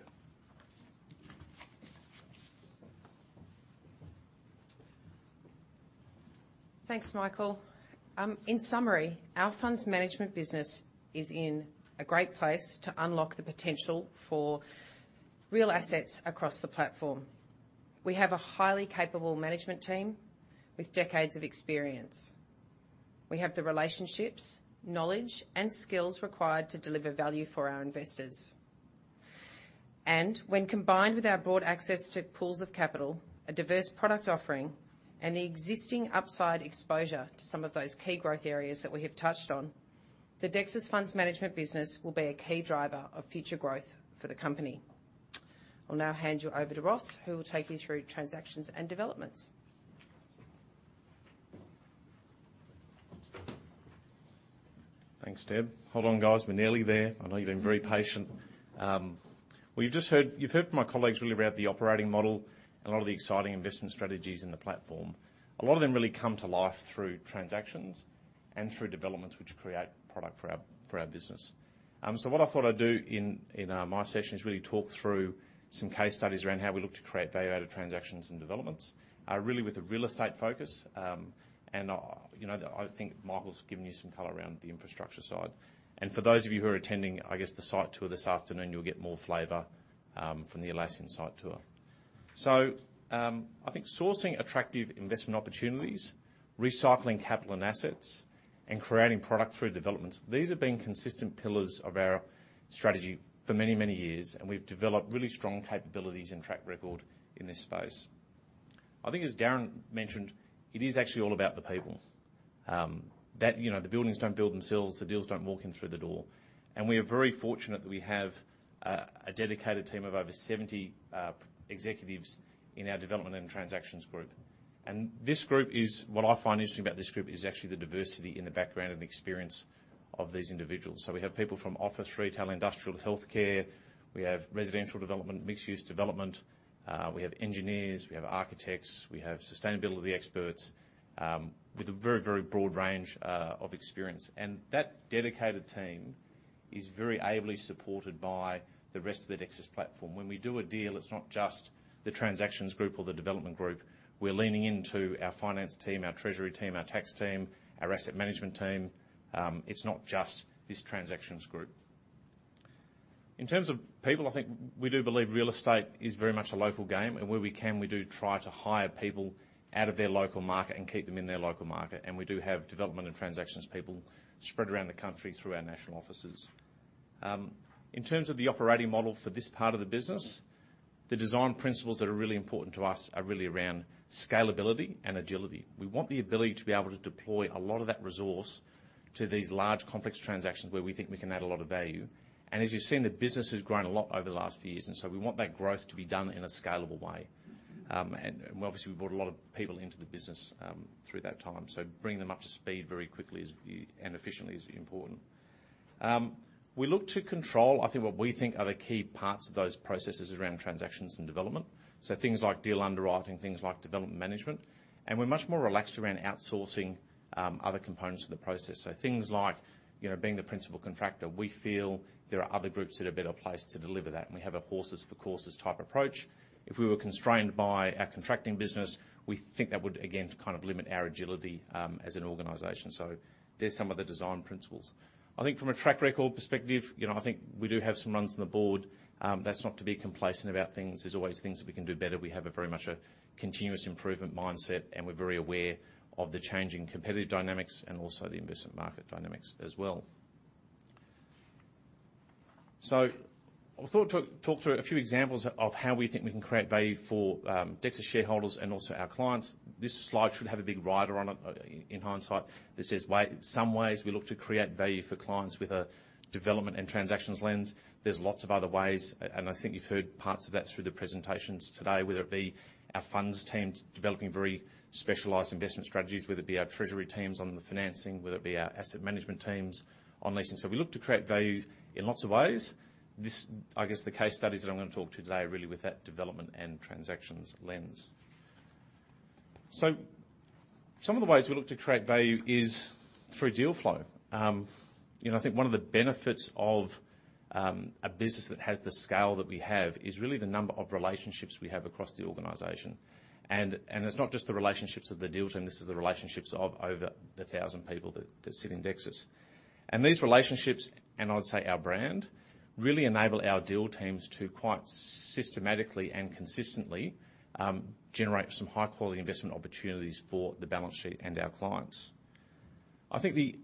Thanks Michael. In summary, our Funds Management business is in a great place to unlock the potential for real assets across the platform. We have a highly capable management team with decades of experience. We have the relationships, knowledge, and skills required to deliver value for our investors. And when combined with our broad access to pools of capital, a diverse product offering, and the existing upside exposure to some of those key growth areas that we have touched on, the Dexus Funds Management business will be a key driver of future growth for the company. I'll now hand you over to Ross, who will take you through transactions and developments. Thanks, Deb. Hold on, guys. We're nearly there. I know you've been very patient. Well, you just heard - you've heard from my colleagues really around the operating model and a lot of the exciting investment strategies in the platform. A lot of them really come to life through transactions and through developments which create product for our, for our business. So what I thought I'd do in, in, my session is really talk through some case studies around how we look to create value-added transactions and developments, really with a real estate focus. And, you know, I think Michael's given you some color around the infrastructure side. And for those of you who are attending, I guess, the site tour this afternoon, you'll get more flavor, from the Atlassian site tour. So, I think sourcing attractive investment opportunities, recycling capital and assets, and creating product through developments, these have been consistent pillars of our strategy for many, many years, and we've developed really strong capabilities and track record in this space. I think as Darren mentioned, it is actually all about the people. That, you know, the buildings don't build themselves, the deals don't walk in through the door. And we are very fortunate that we have a dedicated team of over 70 executives in our development and transactions group. And this group is what I find interesting about this group is actually the diversity in the background and experience of these individuals. So we have people from office, retail, industrial, healthcare. We have residential development, mixed-use development. We have engineers, we have architects, we have sustainability experts, with a very, very broad range of experience. And that dedicated team is very ably supported by the rest of the Dexus platform. When we do a deal, it's not just the transactions group or the development group. We're leaning into our finance team, our treasury team, our tax team, our asset management team. It's not just this transactions group. In terms of people, I think we do believe real estate is very much a local game, and where we can, we do try to hire people out of their local market and keep them in their local market. And we do have development and transactions people spread around the country through our national offices. In terms of the operating model for this part of the business, the design principles that are really important to us are really around scalability and agility. We want the ability to be able to deploy a lot of that resource to these large, complex transactions where we think we can add a lot of value. As you've seen, the business has grown a lot over the last few years, and so we want that growth to be done in a scalable way. Obviously, we've brought a lot of people into the business through that time. Bringing them up to speed very quickly is, and efficiently, is important. We look to control, I think, what we think are the key parts of those processes around transactions and development. Things like deal underwriting, things like development management. We're much more relaxed around outsourcing, other components of the process. So things like, you know, being the principal contractor, we feel there are other groups that are better placed to deliver that, and we have a horses for courses type approach. If we were constrained by our contracting business, we think that would again kind of limit our agility, as an organization. So there's some of the design principles. I think from a track record perspective, you know, I think we do have some runs on the board. That's not to be complacent about things. There's always things that we can do better. We have a very much a continuous improvement mindset, and we're very aware of the changing competitive dynamics and also the investment market dynamics as well. So I thought to talk through a few examples of how we think we can create value for Dexus shareholders and also our clients. This slide should have a big rider on it, in hindsight, that says, "some ways we look to create value for clients with a development and transactions lens." There's lots of other ways, and I think you've heard parts of that through the presentations today, whether it be our funds teams developing very specialized investment strategies, whether it be our treasury teams on the financing, whether it be our asset management teams on leasing. So we look to create value in lots of ways. This, I guess, the case studies that I'm going to talk to you today are really with that development and transactions lens. So some of the ways we look to create value is through deal flow. You know, I think one of the benefits of a business that has the scale that we have is really the number of relationships we have across the organization. And it's not just the relationships of the deal team; this is the relationships of over 1,000 people that sit in Dexus. And these relationships, and I'd say, our brand, really enable our deal teams to quite systematically and consistently generate some high-quality investment opportunities for the balance sheet and our clients. I think the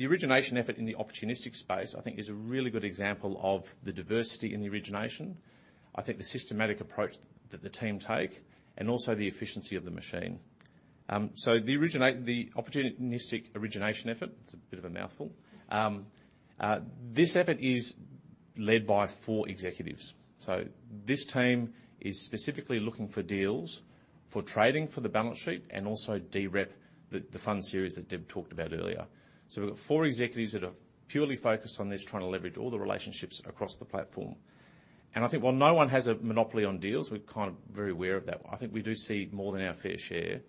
origination effort in the opportunistic space, I think, is a really good example of the diversity in the origination. I think the systematic approach that the team take, and also the efficiency of the machine. So the opportunistic origination effort, it's a bit of a mouthful. This effort is led by four executives. This team is specifically looking for deals for trading for the balance sheet and also DREP, the fund series that Deb talked about earlier. We've got four executives that are purely focused on this, trying to leverage all the relationships across the platform. I think while no one has a monopoly on deals, we're kind of very aware of that, I think we do see more than our fair share.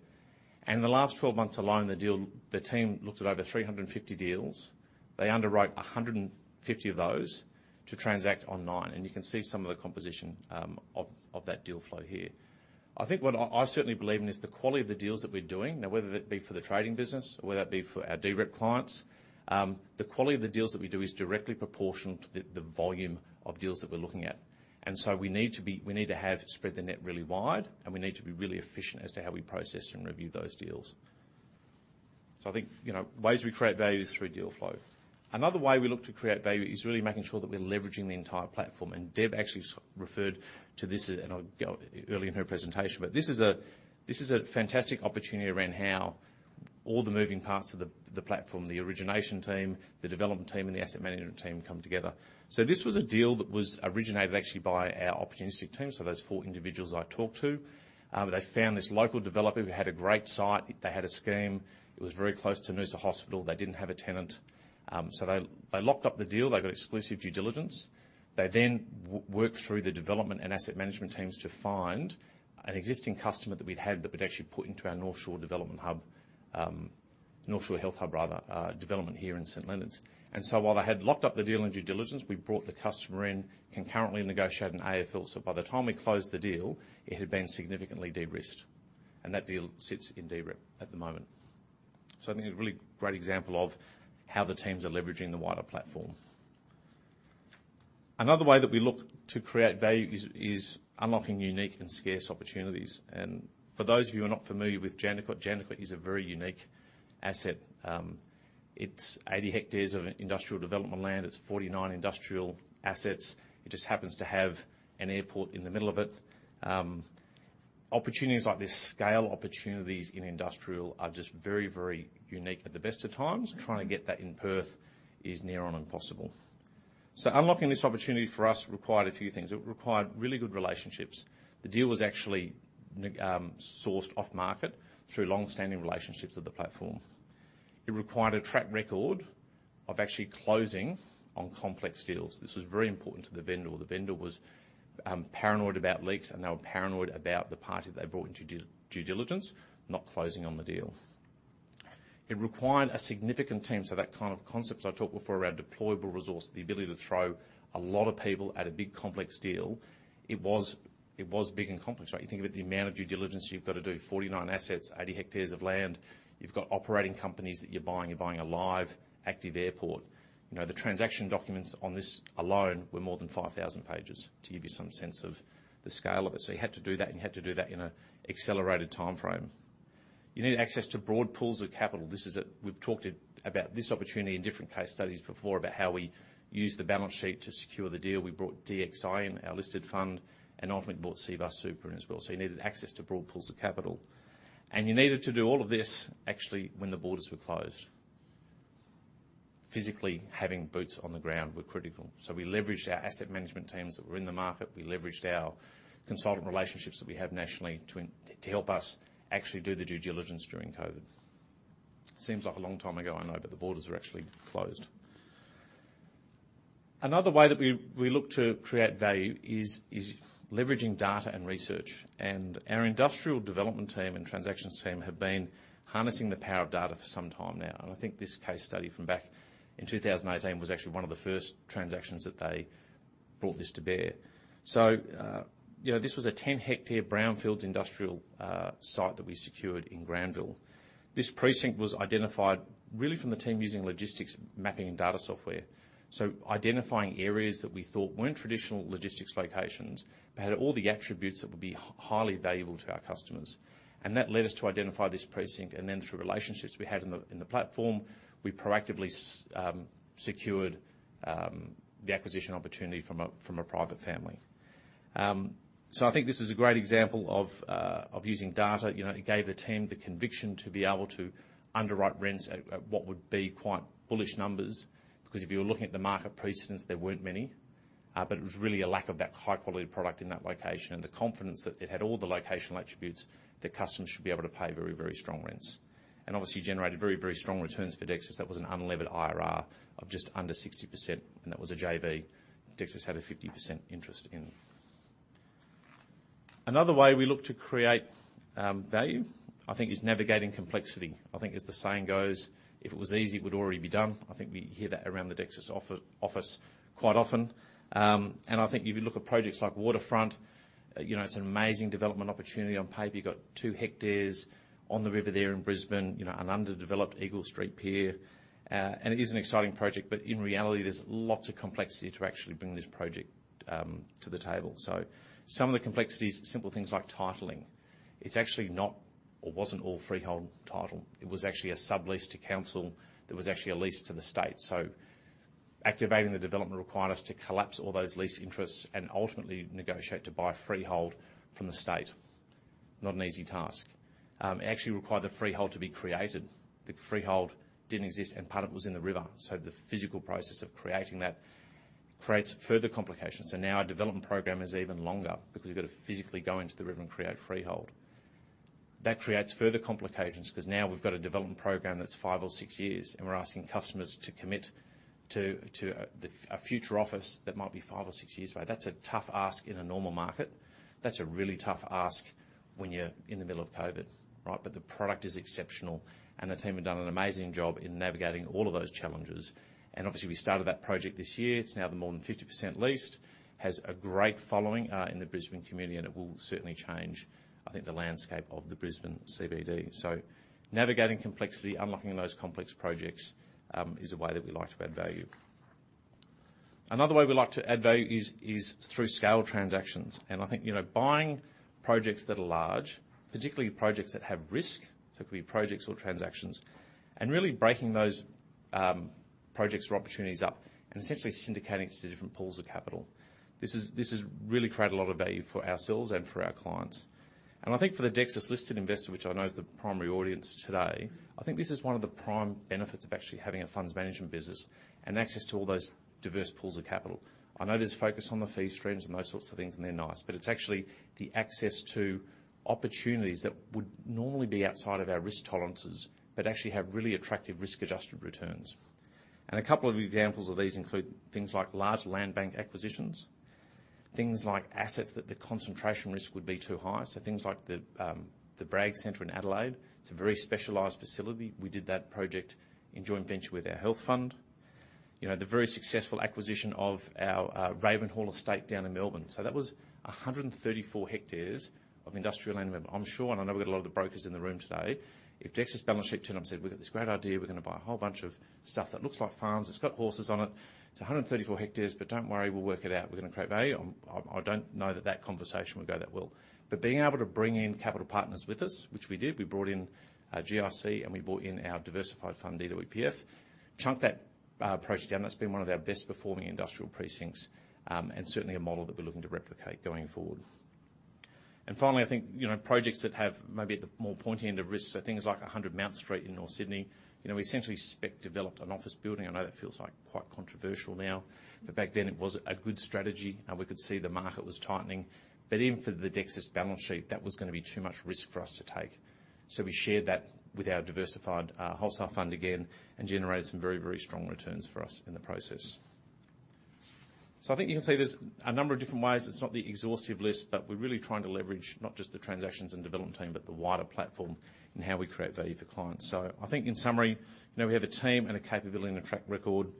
In the last 12 months alone, the team looked at over 350 deals. They underwrote 150 of those to transact online, and you can see some of the composition of that deal flow here. I think what I certainly believe in is the quality of the deals that we're doing, now, whether that be for the trading business or whether that be for our DREP clients, the quality of the deals that we do is directly proportional to the, the volume of deals that we're looking at. And so we need to have spread the net really wide, and we need to be really efficient as to how we process and review those deals. So I think, you know, ways we create value is through deal flow. Another way we look to create value is really making sure that we're leveraging the entire platform, and Deb actually referred to this, and I early in her presentation. But this is a fantastic opportunity around how all the moving parts of the platform, the origination team, the development team, and the asset management team come together. So this was a deal that was originated actually by our opportunistic team, so those four individuals I talked to. They found this local developer who had a great site. They had a scheme. It was very close to Noosa Hospital. They didn't have a tenant. So they locked up the deal. They got exclusive due diligence. They then worked through the development and asset management teams to find an existing customer that we'd had that we'd actually put into our North Shore Health Hub development here in St Leonards. And so while they had locked up the deal in due diligence, we brought the customer in, concurrently negotiated an AFL. So by the time we closed the deal, it had been significantly de-risked, and that deal sits in DREP at the moment. So I think it's a really great example of how the teams are leveraging the wider platform. Another way that we look to create value is, is unlocking unique and scarce opportunities. And for those of you who are not familiar with Jandakot, Jandakot is a very unique asset. It's 80 hectares of industrial development land. It's 49 industrial assets. It just happens to have an airport in the middle of it. Opportunities like this, scale opportunities in industrial are just very, very unique at the best of times. Trying to get that in Perth is near on impossible. So unlocking this opportunity for us required a few things. It required really good relationships. The deal was actually sourced off market through long-standing relationships of the platform. It required a track record of actually closing on complex deals. This was very important to the vendor. The vendor was paranoid about leaks, and they were paranoid about the party they brought into due diligence, not closing on the deal. It required a significant team, so that kind of concept I talked before around deployable resource, the ability to throw a lot of people at a big, complex deal. It was big and complex, right? You think about the amount of due diligence you've got to do, 49 assets, 80 hectares of land. You've got operating companies that you're buying. You're buying a live, active airport. You know, the transaction documents on this alone were more than 5,000 pages, to give you some sense of the scale of it. So you had to do that, and you had to do that in an accelerated timeframe. You needed access to broad pools of capital. We've talked about this opportunity in different case studies before, about how we used the balance sheet to secure the deal. We brought DXI in, our listed fund, and ultimately bought Cbus Super as well. So you needed access to broad pools of capital, and you needed to do all of this actually, when the borders were closed. Physically, having boots on the ground were critical. So we leveraged our asset management teams that were in the market. We leveraged our consultant relationships that we have nationally to help us actually do the due diligence during COVID. Seems like a long time ago, I know, but the borders were actually closed. Another way that we look to create value is leveraging data and research, and our industrial development team and transactions team have been harnessing the power of data for some time now. And I think this case study from back in 2018 was actually one of the first transactions that they brought this to bear. So, you know, this was a 10-hectare brownfields industrial site that we secured in Granville. This precinct was identified really from the team using logistics, mapping, and data software. So identifying areas that we thought weren't traditional logistics locations, but had all the attributes that would be highly valuable to our customers. And that led us to identify this precinct, and then through relationships we had in the platform, we proactively secured the acquisition opportunity from a private family. So I think this is a great example of using data. You know, it gave the team the conviction to be able to underwrite rents at what would be quite bullish numbers, because if you were looking at the market precedents, there weren't many. But it was really a lack of that high-quality product in that location, and the confidence that it had all the locational attributes that customers should be able to pay very, very strong rents. And obviously, generated very, very strong returns for Dexus. That was an unlevered IRR of just under 60%, and that was a JV Dexus had a 50% interest in. Another way we look to create value, I think, is navigating complexity. I think as the saying goes: If it was easy, it would already be done. I think we hear that around the Dexus office quite often. And I think if you look at projects like Waterfront, you know, it's an amazing development opportunity on paper. You've got two hectares on the river there in Brisbane, you know, an underdeveloped Eagle Street Pier, and it is an exciting project, but in reality there's lots of complexity to actually bring this project to the table. So some of the complexities, simple things like titling. It's actually not or wasn't all freehold title. It was actually a sublease to council that was actually a lease to the state. So activating the development required us to collapse all those lease interests and ultimately negotiate to buy freehold from the state. Not an easy task. It actually required the freehold to be created. The freehold didn't exist, and part of it was in the river, so the physical process of creating that creates further complications, and now our development program is even longer because we've got to physically go into the river and create a freehold. That creates further complications, because now we've got a development program that's five or six years, and we're asking customers to commit to a future office that might be five or six years away. That's a tough ask in a normal market. That's a really tough ask when you're in the middle of COVID, right? But the product is exceptional, and the team have done an amazing job in navigating all of those challenges. And obviously, we started that project this year. It's now more than 50% leased, has a great following in the Brisbane community, and it will certainly change, I think, the landscape of the Brisbane CBD. So navigating complexity, unlocking those complex projects, is a way that we like to add value. Another way we like to add value is through scale transactions, and I think, you know buying projects that are large, particularly projects that have risk, so it could be projects or transactions, and really breaking those projects or opportunities up and essentially syndicating to different pools of capital. This has really created a lot of value for ourselves and for our clients. I think for the Dexus listed investor, which I know is the primary audience today, I think this is one of the prime benefits of actually having a funds management business and access to all those diverse pools of capital. I know there's focus on the fee streams and those sorts of things, and they're nice, but it's actually the access to opportunities that would normally be outside of our risk tolerances, but actually have really attractive risk-adjusted returns. A couple of examples of these include things like large land bank acquisitions, things like assets that the concentration risk would be too high, so things like the Bragg Centre in Adelaide. It's a very specialized facility. We did that project in joint venture with our health fund. You know, the very successful acquisition of our Ravenhall Estate down in Melbourne. So that was 134 hectares of industrial land. I'm sure, and I know we've got a lot of the brokers in the room today, if Dexus balance sheet turned up and said, "We've got this great idea, we're going to buy a whole bunch of stuff that looks like farms, it's got horses on it, it's 134 hectares, but don't worry, we'll work it out. We're going to create value," I, I don't know that that conversation would go that well. But being able to bring in capital partners with us, which we did, we brought in, GIC, and we brought in our diversified fund, DWPF, chunk that project down. That's been one of our best performing industrial precincts, and certainly a model that we're looking to replicate going forward. Finally, I think, you know projects that have maybe at the more pointy end of risk, so things like 100 Mount Street in North Sydney. You know, we essentially spec developed an office building. I know that feels like quite controversial now, but back then it was a good strategy, and we could see the market was tightening. But even for the Dexus balance sheet, that was going to be too much risk for us to take. So we shared that with our diversified wholesale fund again and generated some very, very strong returns for us in the process. So I think you can see there's a number of different ways. It's not the exhaustive list, but we're really trying to leverage not just the transactions and development team, but the wider platform and how we create value for clients. So I think in summary, you know, we have a team and a capability and a track record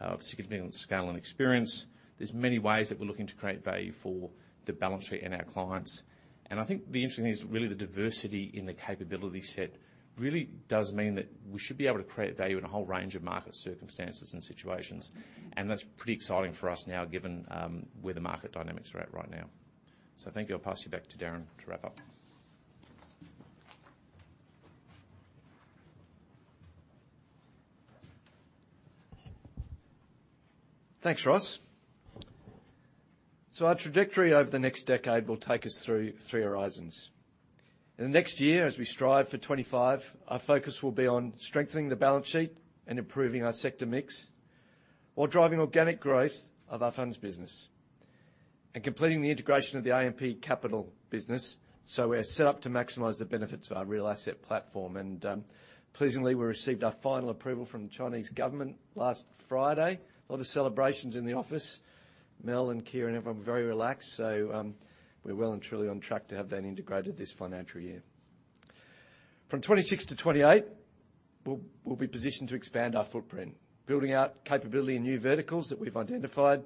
of significant scale and experience. There's many ways that we're looking to create value for the balance sheet and our clients. And I think the interesting thing is really the diversity in the capability set really does mean that we should be able to create value in a whole range of market circumstances and situations, and that's pretty exciting for us now, given where the market dynamics are at right now. So thank you. I'll pass you back to Darren to wrap up. Thanks Ross. So our trajectory over the next decade will take us through three horizons. In the next year, as we strive for 25, our focus will be on strengthening the balance sheet and improving our sector mix, while driving organic growth of our funds business and completing the integration of the AMP Capital business, so we are set up to maximize the benefits of our real asset platform. Pleasingly, we received our final approval from the Chinese government last Friday. A lot of celebrations in the office. Mel and Keir, everyone, were very relaxed, so we're well and truly on track to have that integrated this financial year. From 26-28, we'll be positioned to expand our footprint, building out capability in new verticals that we've identified,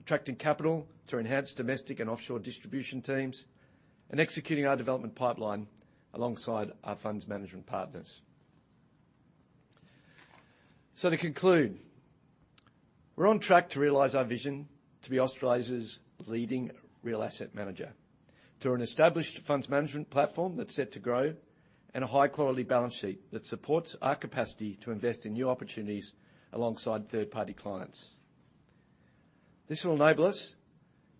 attracting capital through enhanced domestic and offshore distribution teams, and executing our development pipeline alongside our funds management partners. So to conclude, we're on track to realize our vision to be Australia's leading real asset manager, through an established funds management platform that's set to grow and a high-quality balance sheet that supports our capacity to invest in new opportunities alongside third-party clients. This will enable us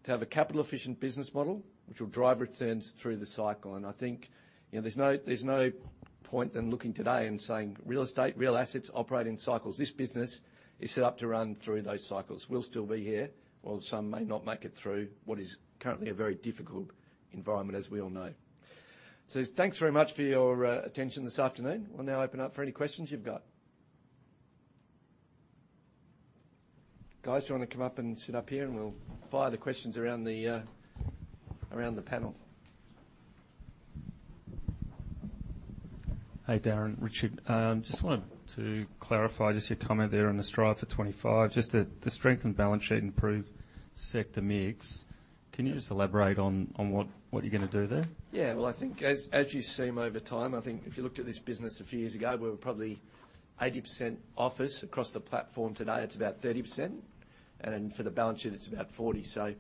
to have a capital-efficient business model, which will drive returns through the cycle. And I think, you know, there's no point in looking today and saying, real estate, real assets operate in cycles. This business is set up to run through those cycles. We'll still be here, while some may not make it through what is currently a very difficult environment, as we all know. So thanks very much for your attention this afternoon. We'll now open up for any questions you've got. Guys, do you want to come up and sit up here, and we'll fire the questions around the panel. Hey Darren, Richard. Just wanted to clarify just your comment there on the strive for 25, just the strength and balance sheet improve sector mix. Can you just elaborate on what you're gonna do there? Yeah, well, I think as, as you've seen over time, I think if you looked at this business a few years ago, we were probably 80% office across the platform. Today, it's about 30%, and for the balance sheet, it's about 40%. So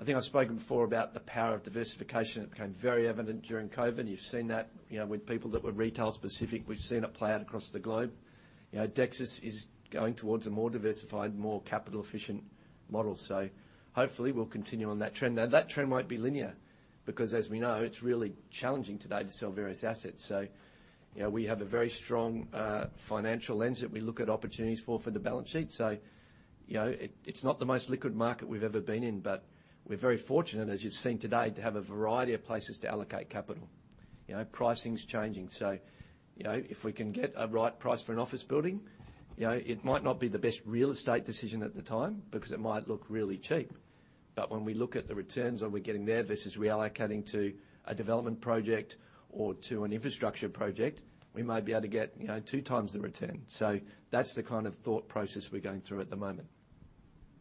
I think I've spoken before about the power of diversification. It became very evident during COVID. You've seen that, you know, with people that were retail specific. We've seen it play out across the globe. You know, Dexus is going towards a more diversified, more capital-efficient model. So hopefully, we'll continue on that trend. Now, that trend might be linear, because as we know, it's really challenging today to sell various assets. So, you know, we have a very strong financial lens that we look at opportunities for, for the balance sheet. So, you know, it's not the most liquid market we've ever been in, but we're very fortunate, as you've seen today, to have a variety of places to allocate capital. You know, pricing's changing, so, you know, if we can get a right price for an office building, you know, it might not be the best real estate decision at the time, because it might look really cheap. But when we look at the returns that we're getting there versus reallocating to a development project or to an infrastructure project, we might be able to get, you know, two times the return. So that's the kind of thought process we're going through at the moment.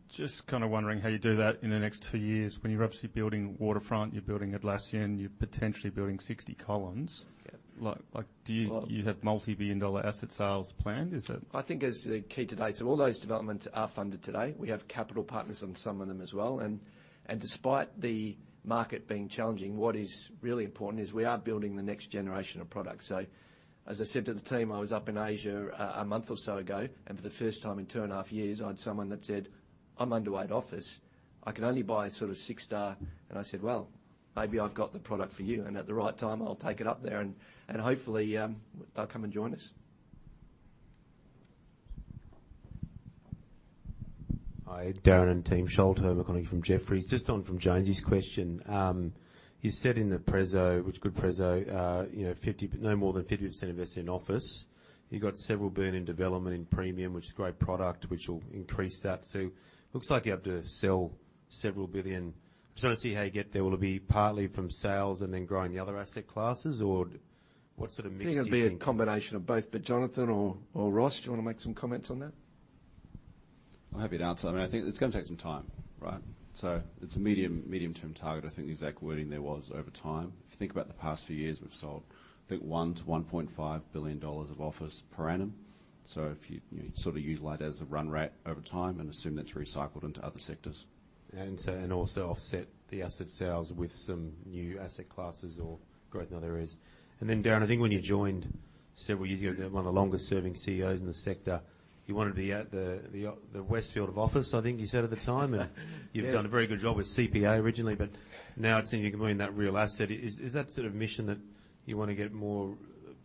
Just kind of wondering how you do that in the next two years when you're obviously building Waterfront, you're building Atlassian, you're potentially building 60 Collins. Yeah. Like, like, do you - you have multi-billion dollar asset sales planned? Is it- I think as the key today, so all those developments are funded today. We have capital partners on some of them as well, and despite the market being challenging, what is really important is we are building the next generation of products. So as I said to the team, I was up in Asia a month or so ago, and for the first time in 2.5 years, I had someone that said, "I'm underweight office. I can only buy sort of six star." And I said, "Well, maybe I've got the product for you, and at the right time, I'll take it up there and hopefully they'll come and join us. Hi Darren and team, Sholto Maconochie from Jefferies. Just on from James' question, you said in the preso, which good preso, you know, 50, but no more than 50% invested in office. You've got AUD several billion in development in premium, which is a great product, which will increase that. So looks like you have to sell AUD several billion. Just want to see how you get there. Will it be partly from sales and then growing the other asset classes, or what sort of mix do you think? I think it'll be a combination of both, but Jonathan or Ross, do you want to make some comments on that? I'm happy to answer. I mean, I think it's going to take some time, right? So it's a medium, medium-term target. I think the exact wording there was over time. If you think about the past few years, we've sold, I think 1 billion-1.5 billion dollars of office per annum. So if you, you sort of use that as a run rate over time and assume that's recycled into other sectors. And so also offset the asset sales with some new asset classes or growth in other areas. And then Darren, I think when you joined several years ago, one of the longest-serving CEOs in the sector, you wanted to be at the Westfield of office, I think you said at the time? Yeah. You've done a very good job with CPA originally, but now it seems you can bring that real asset. Is that sort of mission that you want to get more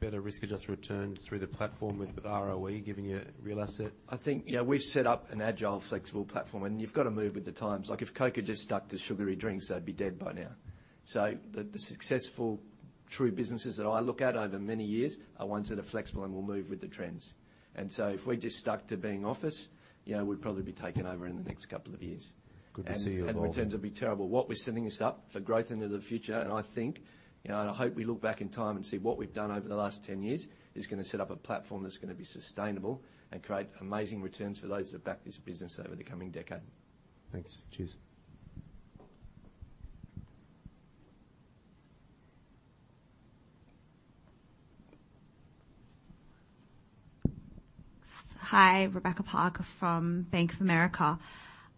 better risk-adjusted returns through the platform with ROE, giving you real asset? I think yeah, we've set up an agile, flexible platform, and you've got to move with the times. Like, if Coke just stuck to sugary drinks, they'd be dead by now. So the successful, true businesses that I look at over many years are ones that are flexible and will move with the trends. And so if we just stuck to being office, you know, we'd probably be taken over in the next couple of years. Good to see you as well. Returns would be terrible. What we're setting this up for growth into the future, and I think, you know, and I hope we look back in time and see what we've done over the last 10 years, is gonna set up a platform that's gonna be sustainable and create amazing returns for those that back this business over the coming decade. Thanks. Cheers. Hi, Rebecca Parker from Bank of America.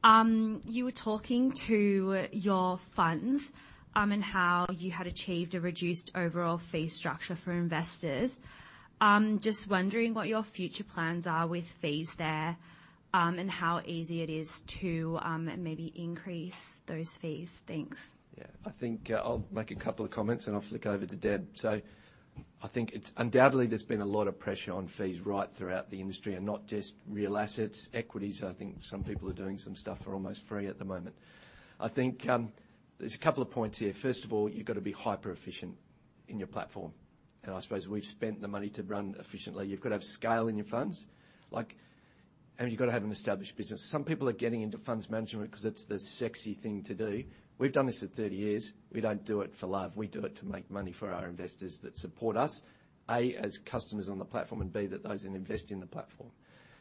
You were talking to your funds, and how you had achieved a reduced overall fee structure for investors. Just wondering what your future plans are with fees there, and how easy it is to maybe increase those fees. Thanks. Yeah. I think, I'll make a couple of comments, and I'll flick over to Deb. So I think it's undoubtedly, there's been a lot of pressure on fees right throughout the industry, and not just real assets. Equities, I think some people are doing some stuff for almost free at the moment. I think, there's a couple of points here. First of all, you've got to be hyper-efficient in your platform, and I suppose we've spent the money to run efficiently. You've got to have scale in your funds, like, and you've got to have an established business. Some people are getting into funds management because it's the sexy thing to do. We've done this for 30 years. We don't do it for love, we do it to make money for our investors that support us, A, as customers on the platform, and B, that those in investing in the platform.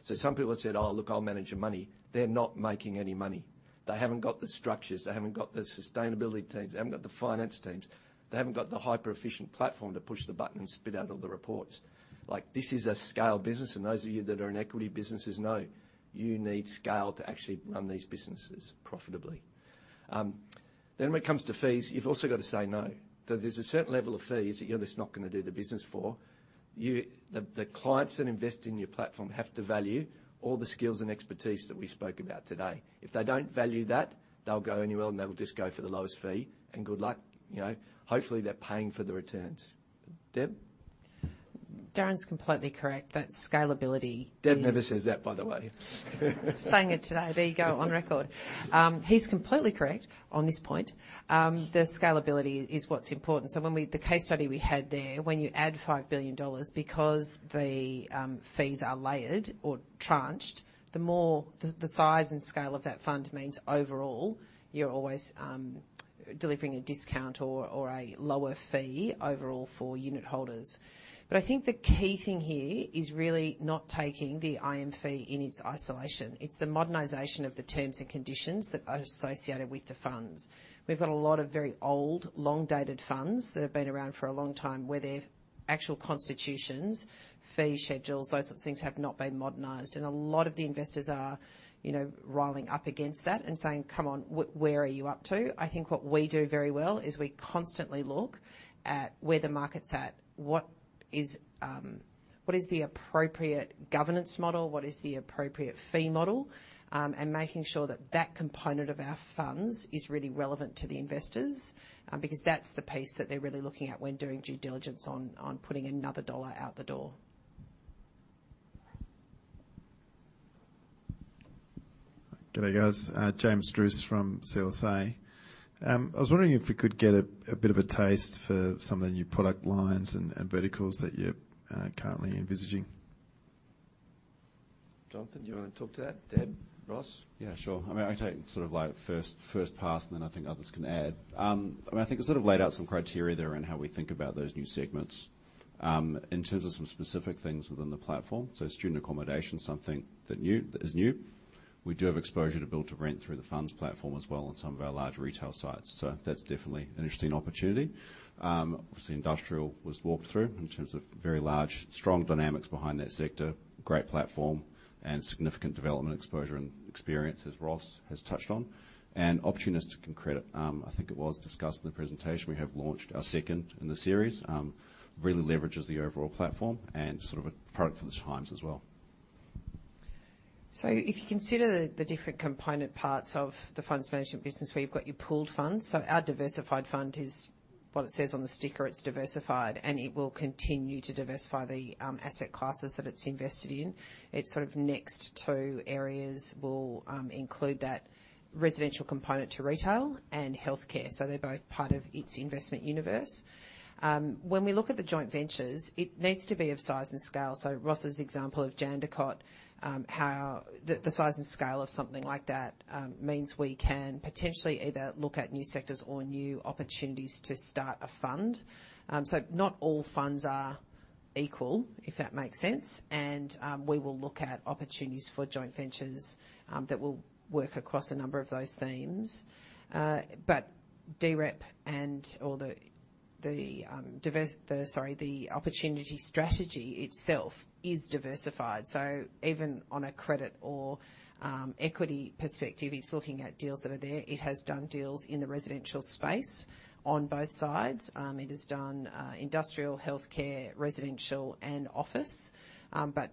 So some people have said: "Oh, look, I'll manage your money." They're not making any money. They haven't got the structures, they haven't got the sustainability teams, they haven't got the finance teams, they haven't got the hyper-efficient platform to push the button and spit out all the reports. Like, this is a scale business, and those of you that are in equity businesses know you need scale to actually run these businesses profitably. Then when it comes to fees, you've also got to say no. There's a certain level of fees that you're just not going to do the business for. You, the clients that invest in your platform have to value all the skills and expertise that we spoke about today. If they don't value that, they'll go anywhere, and they will just go for the lowest fee, and good luck. You know, hopefully, they're paying for the returns. Deb? Darren's completely correct, that scalability is - Deb never says that, by the way. Saying it today, there you go, on record. He's completely correct on this point. The scalability is what's important. So when we - the case study we had there, when you add 5 billion dollars, because the fees are layered or tranched, the more, the size and scale of that fund means overall, you're always delivering a discount or a lower fee overall for unit holders. But I think the key thing here is really not taking the IM fee in its isolation. It's the modernization of the terms and conditions that are associated with the funds. We've got a lot of very old, long-dated funds that have been around for a long time, where their actual constitutions, fee schedules, those sort of things have not been modernized. A lot of the investors are, you know, riling up against that and saying: "Come on, where are you up to?" I think what we do very well is we constantly look at where the market's at, what is the appropriate governance model? What is the appropriate fee model? and making sure that that component of our funds is really relevant to the investors, because that's the piece that they're really looking at when doing due diligence on putting another dollar out the door. Good day, guys. James Druce from CLSA. I was wondering if we could get a, a bit of a taste for some of the new product lines and, and verticals that you're currently envisaging. Jonathan, do you want to talk to that? Deb, Ross? Yeah, sure. I mean, I can take sort of like first, first pass, and then I think others can add. I mean, I think I sort of laid out some criteria there in how we think about those new segments. In terms of some specific things within the platform, so student accommodation is something that new, that is new. We do have exposure to build-to-rent through the funds platform as well on some of our large retail sites, so that's definitely an interesting opportunity. Obviously, industrial was walked through in terms of very large, strong dynamics behind that sector, great platform, and significant development exposure and experience, as Ross has touched on. And opportunistic and credit, I think it was discussed in the presentation. We have launched our second in the series. Really leverages the overall platform and sort of a product for the times as well. So if you consider the different component parts of the funds management business, where you've got your pooled funds. So our diversified fund is what it says on the sticker, it's diversified, and it will continue to diversify the asset classes that it's invested in. Its sort of next two areas will include that residential component to retail and healthcare, so they're both part of its investment universe. When we look at the joint ventures, it needs to be of size and scale. So Ross's example of Jandakot, the size and scale of something like that, means we can potentially either look at new sectors or new opportunities to start a fund. So not all funds are equal, if that makes sense, and we will look at opportunities for joint ventures that will work across a number of those themes. But DREP and all the opportunity strategy itself is diversified. So even on a credit or equity perspective, it's looking at deals that are there. It has done deals in the residential space on both sides. It has done industrial, healthcare, residential, and office, but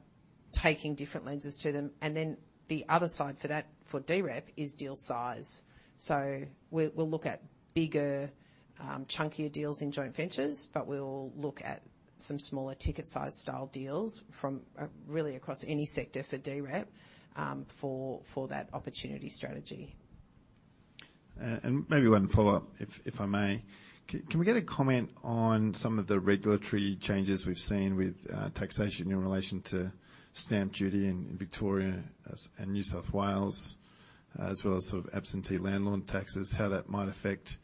taking different lenses to them. And then the other side for that, for DREP, is deal size. So we'll look at bigger, chunkier deals in joint ventures, but we'll look at some smaller ticket size style deals from really across any sector for DREP, for that opportunity strategy. Maybe one follow-up, if I may. Can we get a comment on some of the regulatory changes we've seen with taxation in relation to stamp duty in Victoria and New South Wales, as well as sort of absentee landlord taxes, how that might affect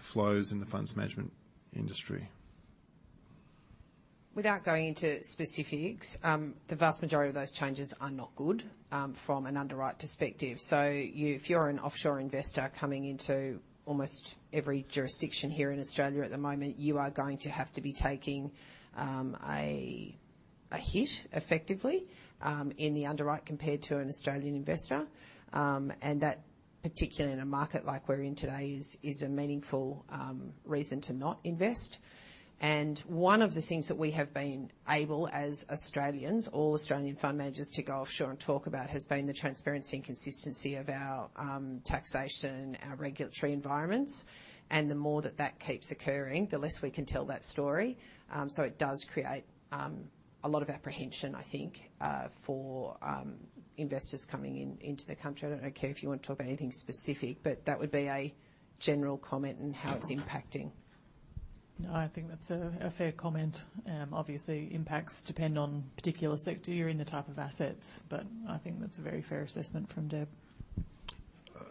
flows in the funds management industry? Without going into specifics, the vast majority of those changes are not good from an underwrite perspective. So you, if you're an offshore investor coming into almost every jurisdiction here in Australia at the moment, you are going to have to be taking a hit, effectively, in the underwrite compared to an Australian investor. And that, particularly in a market like we're in today, is a meaningful reason to not invest. And one of the things that we have been able, as Australians, all Australian fund managers, to go offshore and talk about, has been the transparency and consistency of our taxation, our regulatory environments. And the more that that keeps occurring, the less we can tell that story. So it does create a lot of apprehension, I think, for investors coming in, into the country. I don't know Keir, if you want to talk about anything specific, but that would be a general comment on how it's impacting. No, I think that's a fair comment. Obviously, impacts depend on particular sector you're in, the type of assets, but I think that's a very fair assessment from Deb.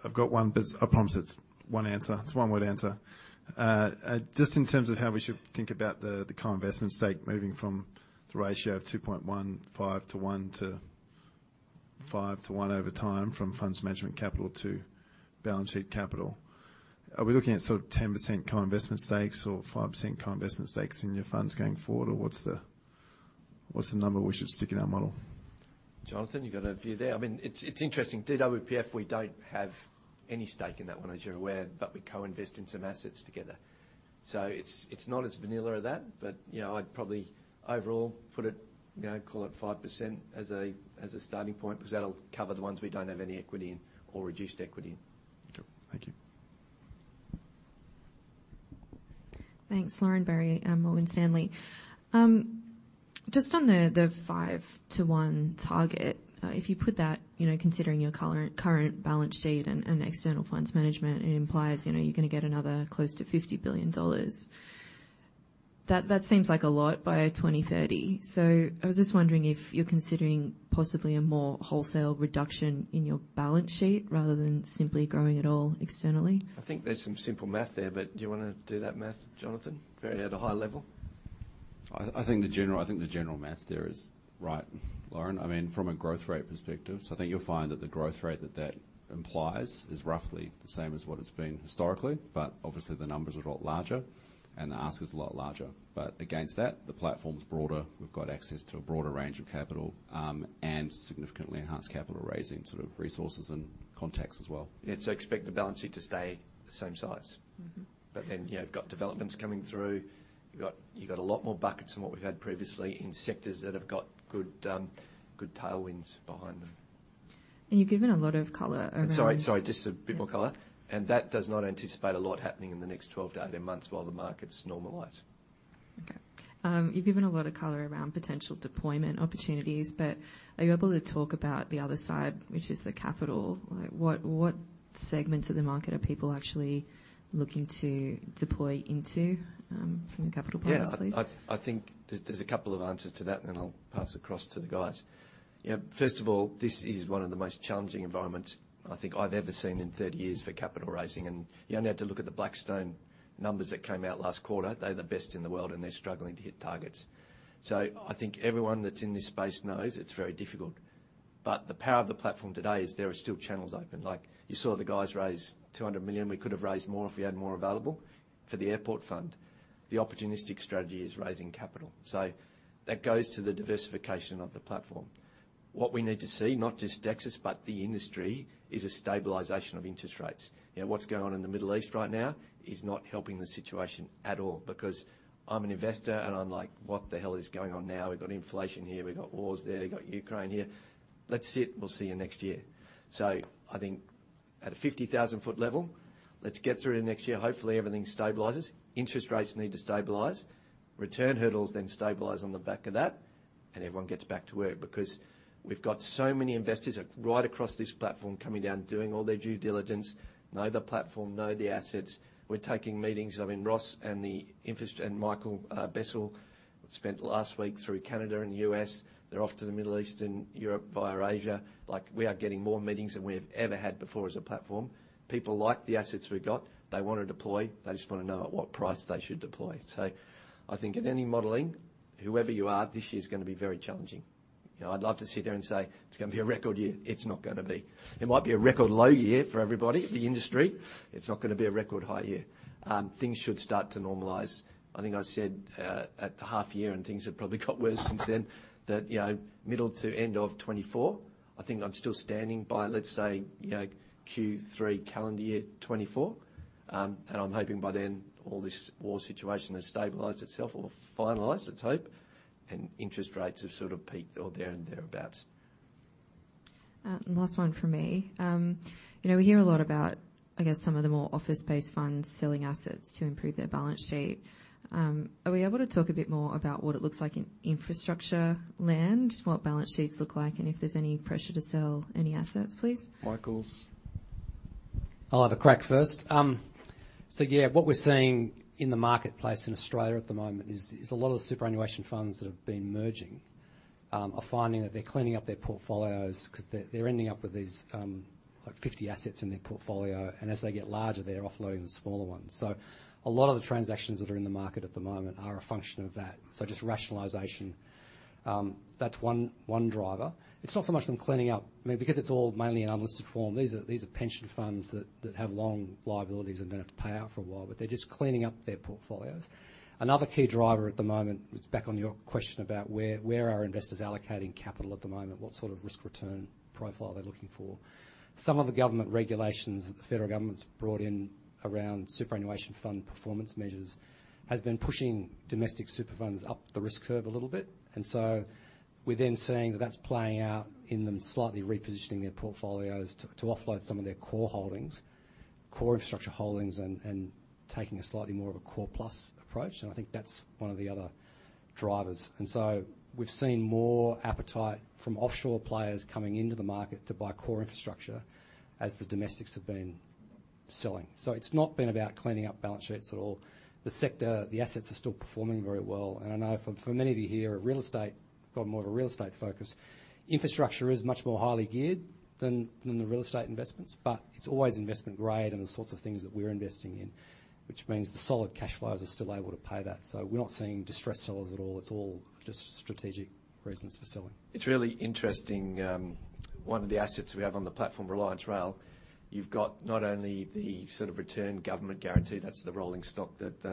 I've got one, but I promise it's one answer. It's a one-word answer. Just in terms of how we should think about the current investment stake moving from the ratio of 2.15 to 1 to 5 to 1 over time, from funds management capital to balance sheet capital. Are we looking at sort of 10% co-investment stakes or 5% co-investment stakes in your funds going forward, or what's the number we should stick in our model? Jonathan, you got a view there? I mean, it's interesting. DWPF, we don't have any stake in that one, as you're aware, but we co-invest in some assets together. So it's not as vanilla as that, but, you know, I'd probably overall put it, you know, call it 5% as a starting point, because that'll cover the ones we don't have any equity in or reduced equity in. Cool. Thank you. Thanks. Lauren Berry, Morgan Stanley. Just on the 5:1 target, if you put that, you know, considering your current balance sheet and external funds management, it implies, you know, you're gonna get another close to 50 billion dollars. That seems like a lot by 2030. So I was just wondering if you're considering possibly a more wholesale reduction in your balance sheet, rather than simply growing it all externally. I think there's some simple math there, but do you wanna do that math, Jonathan? Very at a high level. I think the general math there is right, Lauren. I mean from a growth rate perspective, so I think you'll find that the growth rate that that implies is roughly the same as what it's been historically, but obviously, the numbers are a lot larger, and the ask is a lot larger. But against that, the platform's broader. We've got access to a broader range of capital and significantly enhanced capital raising sort of resources and contacts as well. Yeah, so expect the balance sheet to stay the same size. Mm-hmm. But then, you know you've got developments coming through. You've got a lot more buckets than what we've had previously in sectors that have got good, good tailwinds behind them. And you've given a lot of color around - Sorry, sorry just a bit more color, and that does not anticipate a lot happening in the next 12-18 months while the markets normalize. Okay. You've given a lot of color around potential deployment opportunities, but are you able to talk about the other side, which is the capital? Like, what segments of the market are people actually looking to deploy into, from a capital point of view, please? Yeah. I think there's a couple of answers to that and then I'll pass across to the guys. Yeah, first of all, this is one of the most challenging environments I think I've ever seen in 30 years for capital raising, and you only had to look at the Blackstone numbers that came out last quarter. They're the best in the world, and they're struggling to hit targets. So I think everyone that's in this space knows it's very difficult, but the power of the platform today is there are still channels open. Like, you saw the guys raise 200 million. We could have raised more if we had more available for the airport fund. The opportunistic strategy is raising capital, so that goes to the diversification of the platform. What we need to see, not just Dexus, but the industry, is a stabilization of interest rates. You know, what's going on in the Middle East right now is not helping the situation at all, because I'm an investor, and I'm like: What the hell is going on now? We've got inflation here, we've got wars there, we've got Ukraine here. Let's sit, and we'll see you next year. So I think at a 50,000-foot level, let's get through to next year. Hopefully, everything stabilizes. Interest rates need to stabilize, return hurdles then stabilize on the back of that, and everyone gets back to work. Because we've got so many investors right across this platform coming down, doing all their due diligence, know the platform, know the assets. We're taking meetings. I mean, Ross and the infrastructure and Michael Bessell spent last week through Canada and U.S. They're off to the Middle East and Europe via Asia. Like, we are getting more meetings than we have ever had before as a platform. People like the assets we've got. They want to deploy. They just want to know at what price they should deploy. So I think in any modeling, whoever you are, this year's gonna be very challenging. You know, I'd love to sit here and say, "It's gonna be a record year." It's not gonna be. It might be a record low year for everybody, the industry. It's not gonna be a record high year. Things should start to normalize. I think I said at the half year, and things have probably got worse since then, that, you know, middle to end of 2024, I think I'm still standing by, let's say, you know, Q3, calendar year 2024. I'm hoping by then all this war situation has stabilized itself or finalized let's hope, and interest rates have sort of peaked or there and thereabouts. And last one from me. You know, we hear a lot about, I guess, some of the more office space funds selling assets to improve their balance sheet. Are we able to talk a bit more about what it looks like in infrastructure land, what balance sheets look like, and if there's any pressure to sell any assets, please? Michael? I'll have a crack first. So yeah, what we're seeing in the marketplace in Australia at the moment is a lot of the superannuation funds that have been merging are finding that they're cleaning up their portfolios because they're ending up with these, like, 50 assets in their portfolio, and as they get larger, they're offloading the smaller ones. So a lot of the transactions that are in the market at the moment are a function of that. So just rationalization, that's one driver. It's not so much them cleaning up, I mean, because it's all mainly in unlisted form. These are pension funds that have long liabilities and don't have to pay out for a while, but they're just cleaning up their portfolios. Another key driver at the moment, it's back on your question about where are investors allocating capital at the moment? What sort of risk-return profile are they looking for? Some of the government regulations that the federal government's brought in around superannuation fund performance measures has been pushing domestic super funds up the risk curve a little bit. And so we're then seeing that that's playing out in them slightly repositioning their portfolios to offload some of their core holdings, core infrastructure holdings, and taking a slightly more of a core plus approach, and I think that's one of the other drivers. And so we've seen more appetite from offshore players coming into the market to buy core infrastructure as the domestics have been selling. So it's not been about cleaning up balance sheets at all. The sector, the assets are still performing very well, and I know for many of you here at real estate got more of a real estate focus, infrastructure is much more highly geared than the real estate investments but it's always investment grade and the sorts of things that we're investing in, which means the solid cash flows are still able to pay that. So we're not seeing distressed sellers at all. It's all just strategic reasons for selling. It's really interesting, one of the assets we have on the platform, Reliance Rail, you've got not only the sort of return government guarantee, that's the rolling stock that,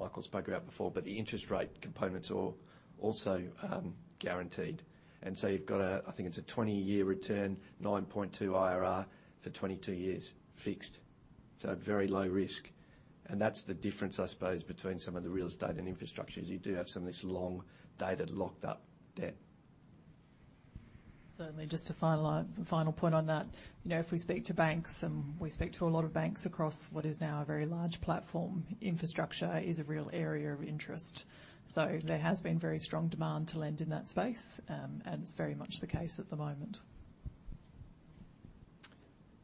Michael spoke about before, but the interest rate components are also, guaranteed. And so you've got a, I think it's a 20-year return, 9.2 IRR for 22 years, fixed. So very low risk, and that's the difference, I suppose, between some of the real estate and infrastructure, is you do have some of this long-dated, locked-up debt. Certainly. Just to finalize, the final point on that, you know, if we speak to banks, and we speak to a lot of banks across what is now a very large platform, infrastructure is a real area of interest. So there has been very strong demand to lend in that space, and it's very much the case at the moment.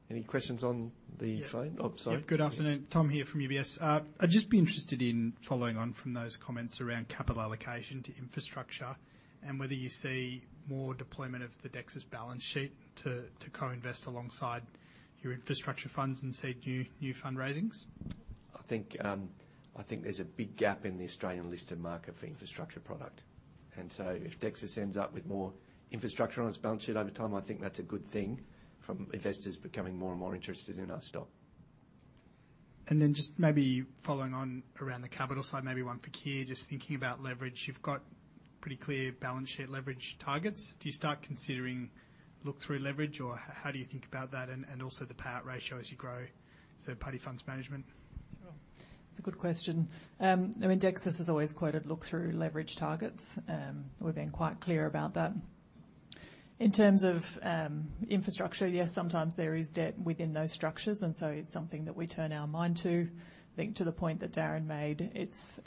Any questions on the phone? Oh, sorry. Yeah. Good afternoon, Tom here from UBS. I'd just be interested in following on from those comments around capital allocation to infrastructure and whether you see more deployment of the Dexus balance sheet to co-invest alongside your infrastructure funds and see new fundraisings. I think, I think there's a big gap in the Australian listed market for infrastructure product, and so if Dexus ends up with more infrastructure on its balance sheet over time, I think that's a good thing from investors becoming more and more interested in our stock. Then just maybe following on around the capital side, maybe one for Keir, just thinking about leverage. You've got pretty clear balance sheet leverage targets. Do you start considering look-through leverage, or how do you think about that and also the payout ratio as you grow third-party funds management? That's a good question. I mean, Dexus has always quoted look-through leverage targets. We've been quite clear about that. In terms of, infrastructure, yes, sometimes there is debt within those structures, and so it's something that we turn our mind to. I think to the point that Darren made, it's,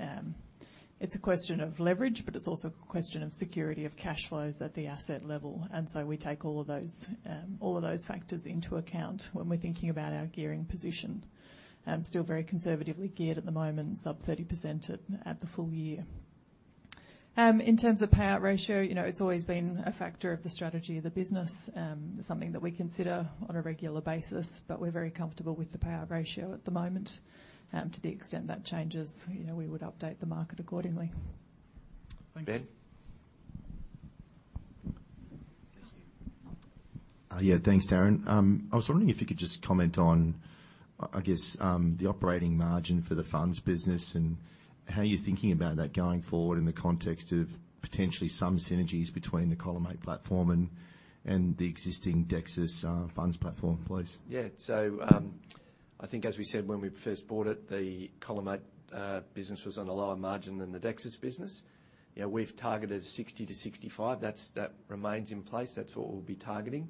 it's a question of leverage, but it's also a question of security of cash flows at the asset level, and so we take all of those, all of those factors into account when we're thinking about our gearing position. Still very conservatively geared at the moment, sub 30% at the full year. In terms of payout ratio, you know, it's always been a factor of the strategy of the business, something that we consider on a regular basis, but we're very comfortable with the payout ratio at the moment. To the extent that changes, you know, we would update the market accordingly. Thanks. Ben? Thank you. Yeah, thanks Darren. I was wondering if you could just comment on, I guess the operating margin for the funds business, and how you're thinking about that going forward in the context of potentially some synergies between the Collimate platform and the existing Dexus funds platform, please? Yeah. So, I think as we said when we first bought it, the Collimate business was on a lower margin than the Dexus business. You know, we've targeted 60%-65%. That's, that remains in place. That's what we'll be targeting,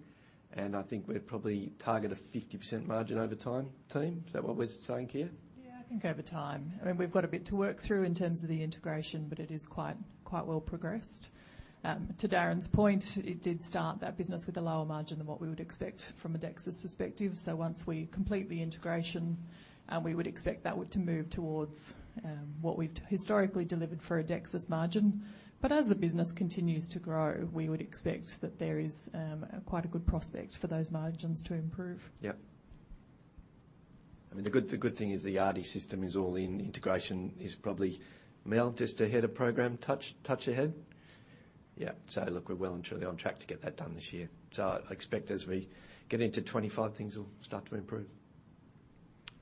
and I think we'd probably target a 50% margin over time. Team, is that what we're saying, Keir? Yeah, I think over time. I mean, we've got a bit to work through in terms of the integration, but it is quite, quite well progressed. To Darren's point, it did start that business with a lower margin than what we would expect from a Dexus perspective. So once we complete the integration, we would expect that to move towards what we've historically delivered for a Dexus margin. But as the business continues to grow, we would expect that there is quite a good prospect for those margins to improve. Yep. I mean, the good - the good thing is the Yardi system is all in integration, is probably a mile just ahead of program, a touch, a touch ahead? Yeah, so look, we're well and truly on track to get that done this year. So I expect as we get into 25, things will start to improve.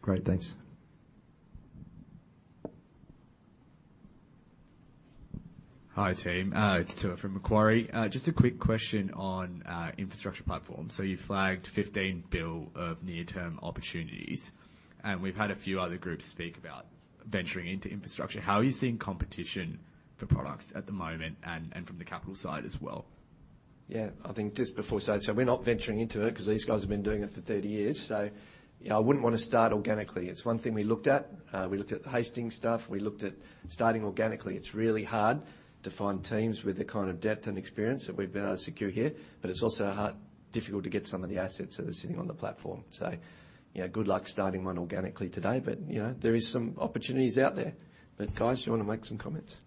Great, thanks. Hi, team. It's Tua from Macquarie. Just a quick question on infrastructure platform. So you flagged 15 billion of near-term opportunities, and we've had a few other groups speak about venturing into infrastructure. How are you seeing competition for products at the moment, and, and from the capital side as well? Yeah I think just before I say, so we're not venturing into it, 'cause these guys have been doing it for 30 years, so, you know, I wouldn't want to start organically. It's one thing we looked at. We looked at the Hastings stuff, we looked at starting organically. It's really hard to find teams with the kind of depth and experience that we've been able to secure here, but it's also hard, difficult to get some of the assets that are sitting on the platform. So, you know, good luck starting one organically today, but you know, there is some opportunities out there. But guys, you want to make some comments?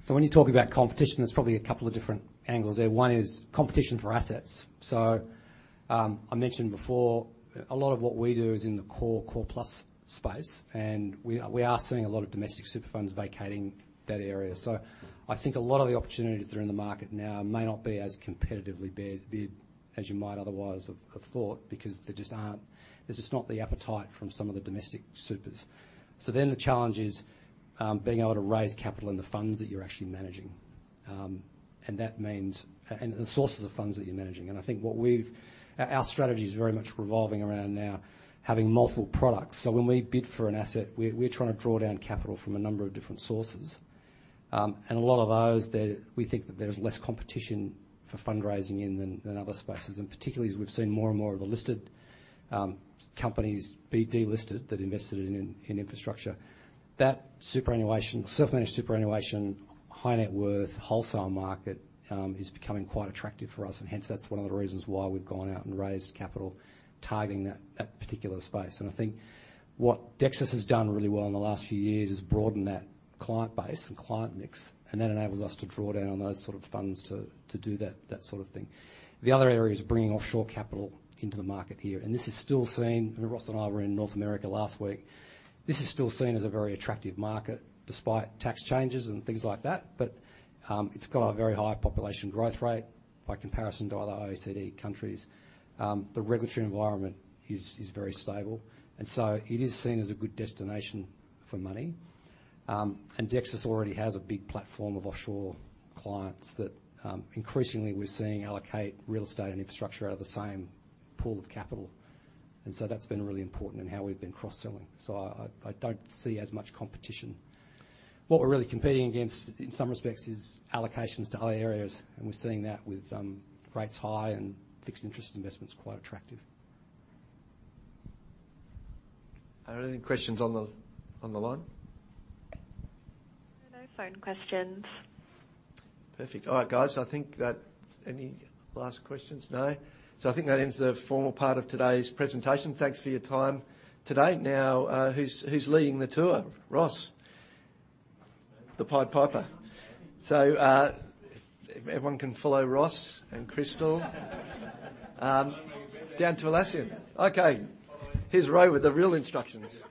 So when you talk about competition, there's probably a couple of different angles there. One is competition for assets. So, I mentioned before, a lot of what we do is in the core, core plus space, and we are seeing a lot of domestic super funds vacating that area. So I think a lot of the opportunities that are in the market now may not be as competitively bid as you might otherwise have thought, because there just aren't... There's just not the appetite from some of the domestic supers. So then the challenge is being able to raise capital in the funds that you're actually managing. And that means the sources of funds that you're managing, and I think what we've... Our strategy is very much revolving around now having multiple products. So when we bid for an asset, we're trying to draw down capital from a number of different sources. And a lot of those, we think that there's less competition for fundraising in than other spaces, and particularly as we've seen more and more of the listed companies be delisted that invested in infrastructure. That superannuation, self-managed superannuation, high net worth, wholesale market is becoming quite attractive for us, and hence that's one of the reasons why we've gone out and raised capital, targeting that particular space. And I think what Dexus has done really well in the last few years is broaden that client base and client mix, and that enables us to draw down on those sort of funds to do that sort of thing. The other area is bringing offshore capital into the market here, and this is still seen, and Ross and I were in North America last week. This is still seen as a very attractive market, despite tax changes and things like that. It's got a very high population growth rate by comparison to other OECD countries. The regulatory environment is very stable, and so it is seen as a good destination for money. Dexus already has a big platform of offshore clients that increasingly we're seeing allocate real estate and infrastructure out of the same pool of capital, and so that's been really important in how we've been cross-selling. So I don't see as much competition. What we're really competing against in some respects, is allocations to other areas, and we're seeing that with rates high and fixed interest investments quite attractive. Are there any questions on the line? There are no phone questions. Perfect. All right, guys, I think that - any last questions? No. So I think that ends the formal part of today's presentation. Thanks for your time today. Now, who's leading the tour? Ross. The Pied Piper. So, if everyone can follow Ross and Crystal down to Atlassian. Okay, here's Ray with the real instructions.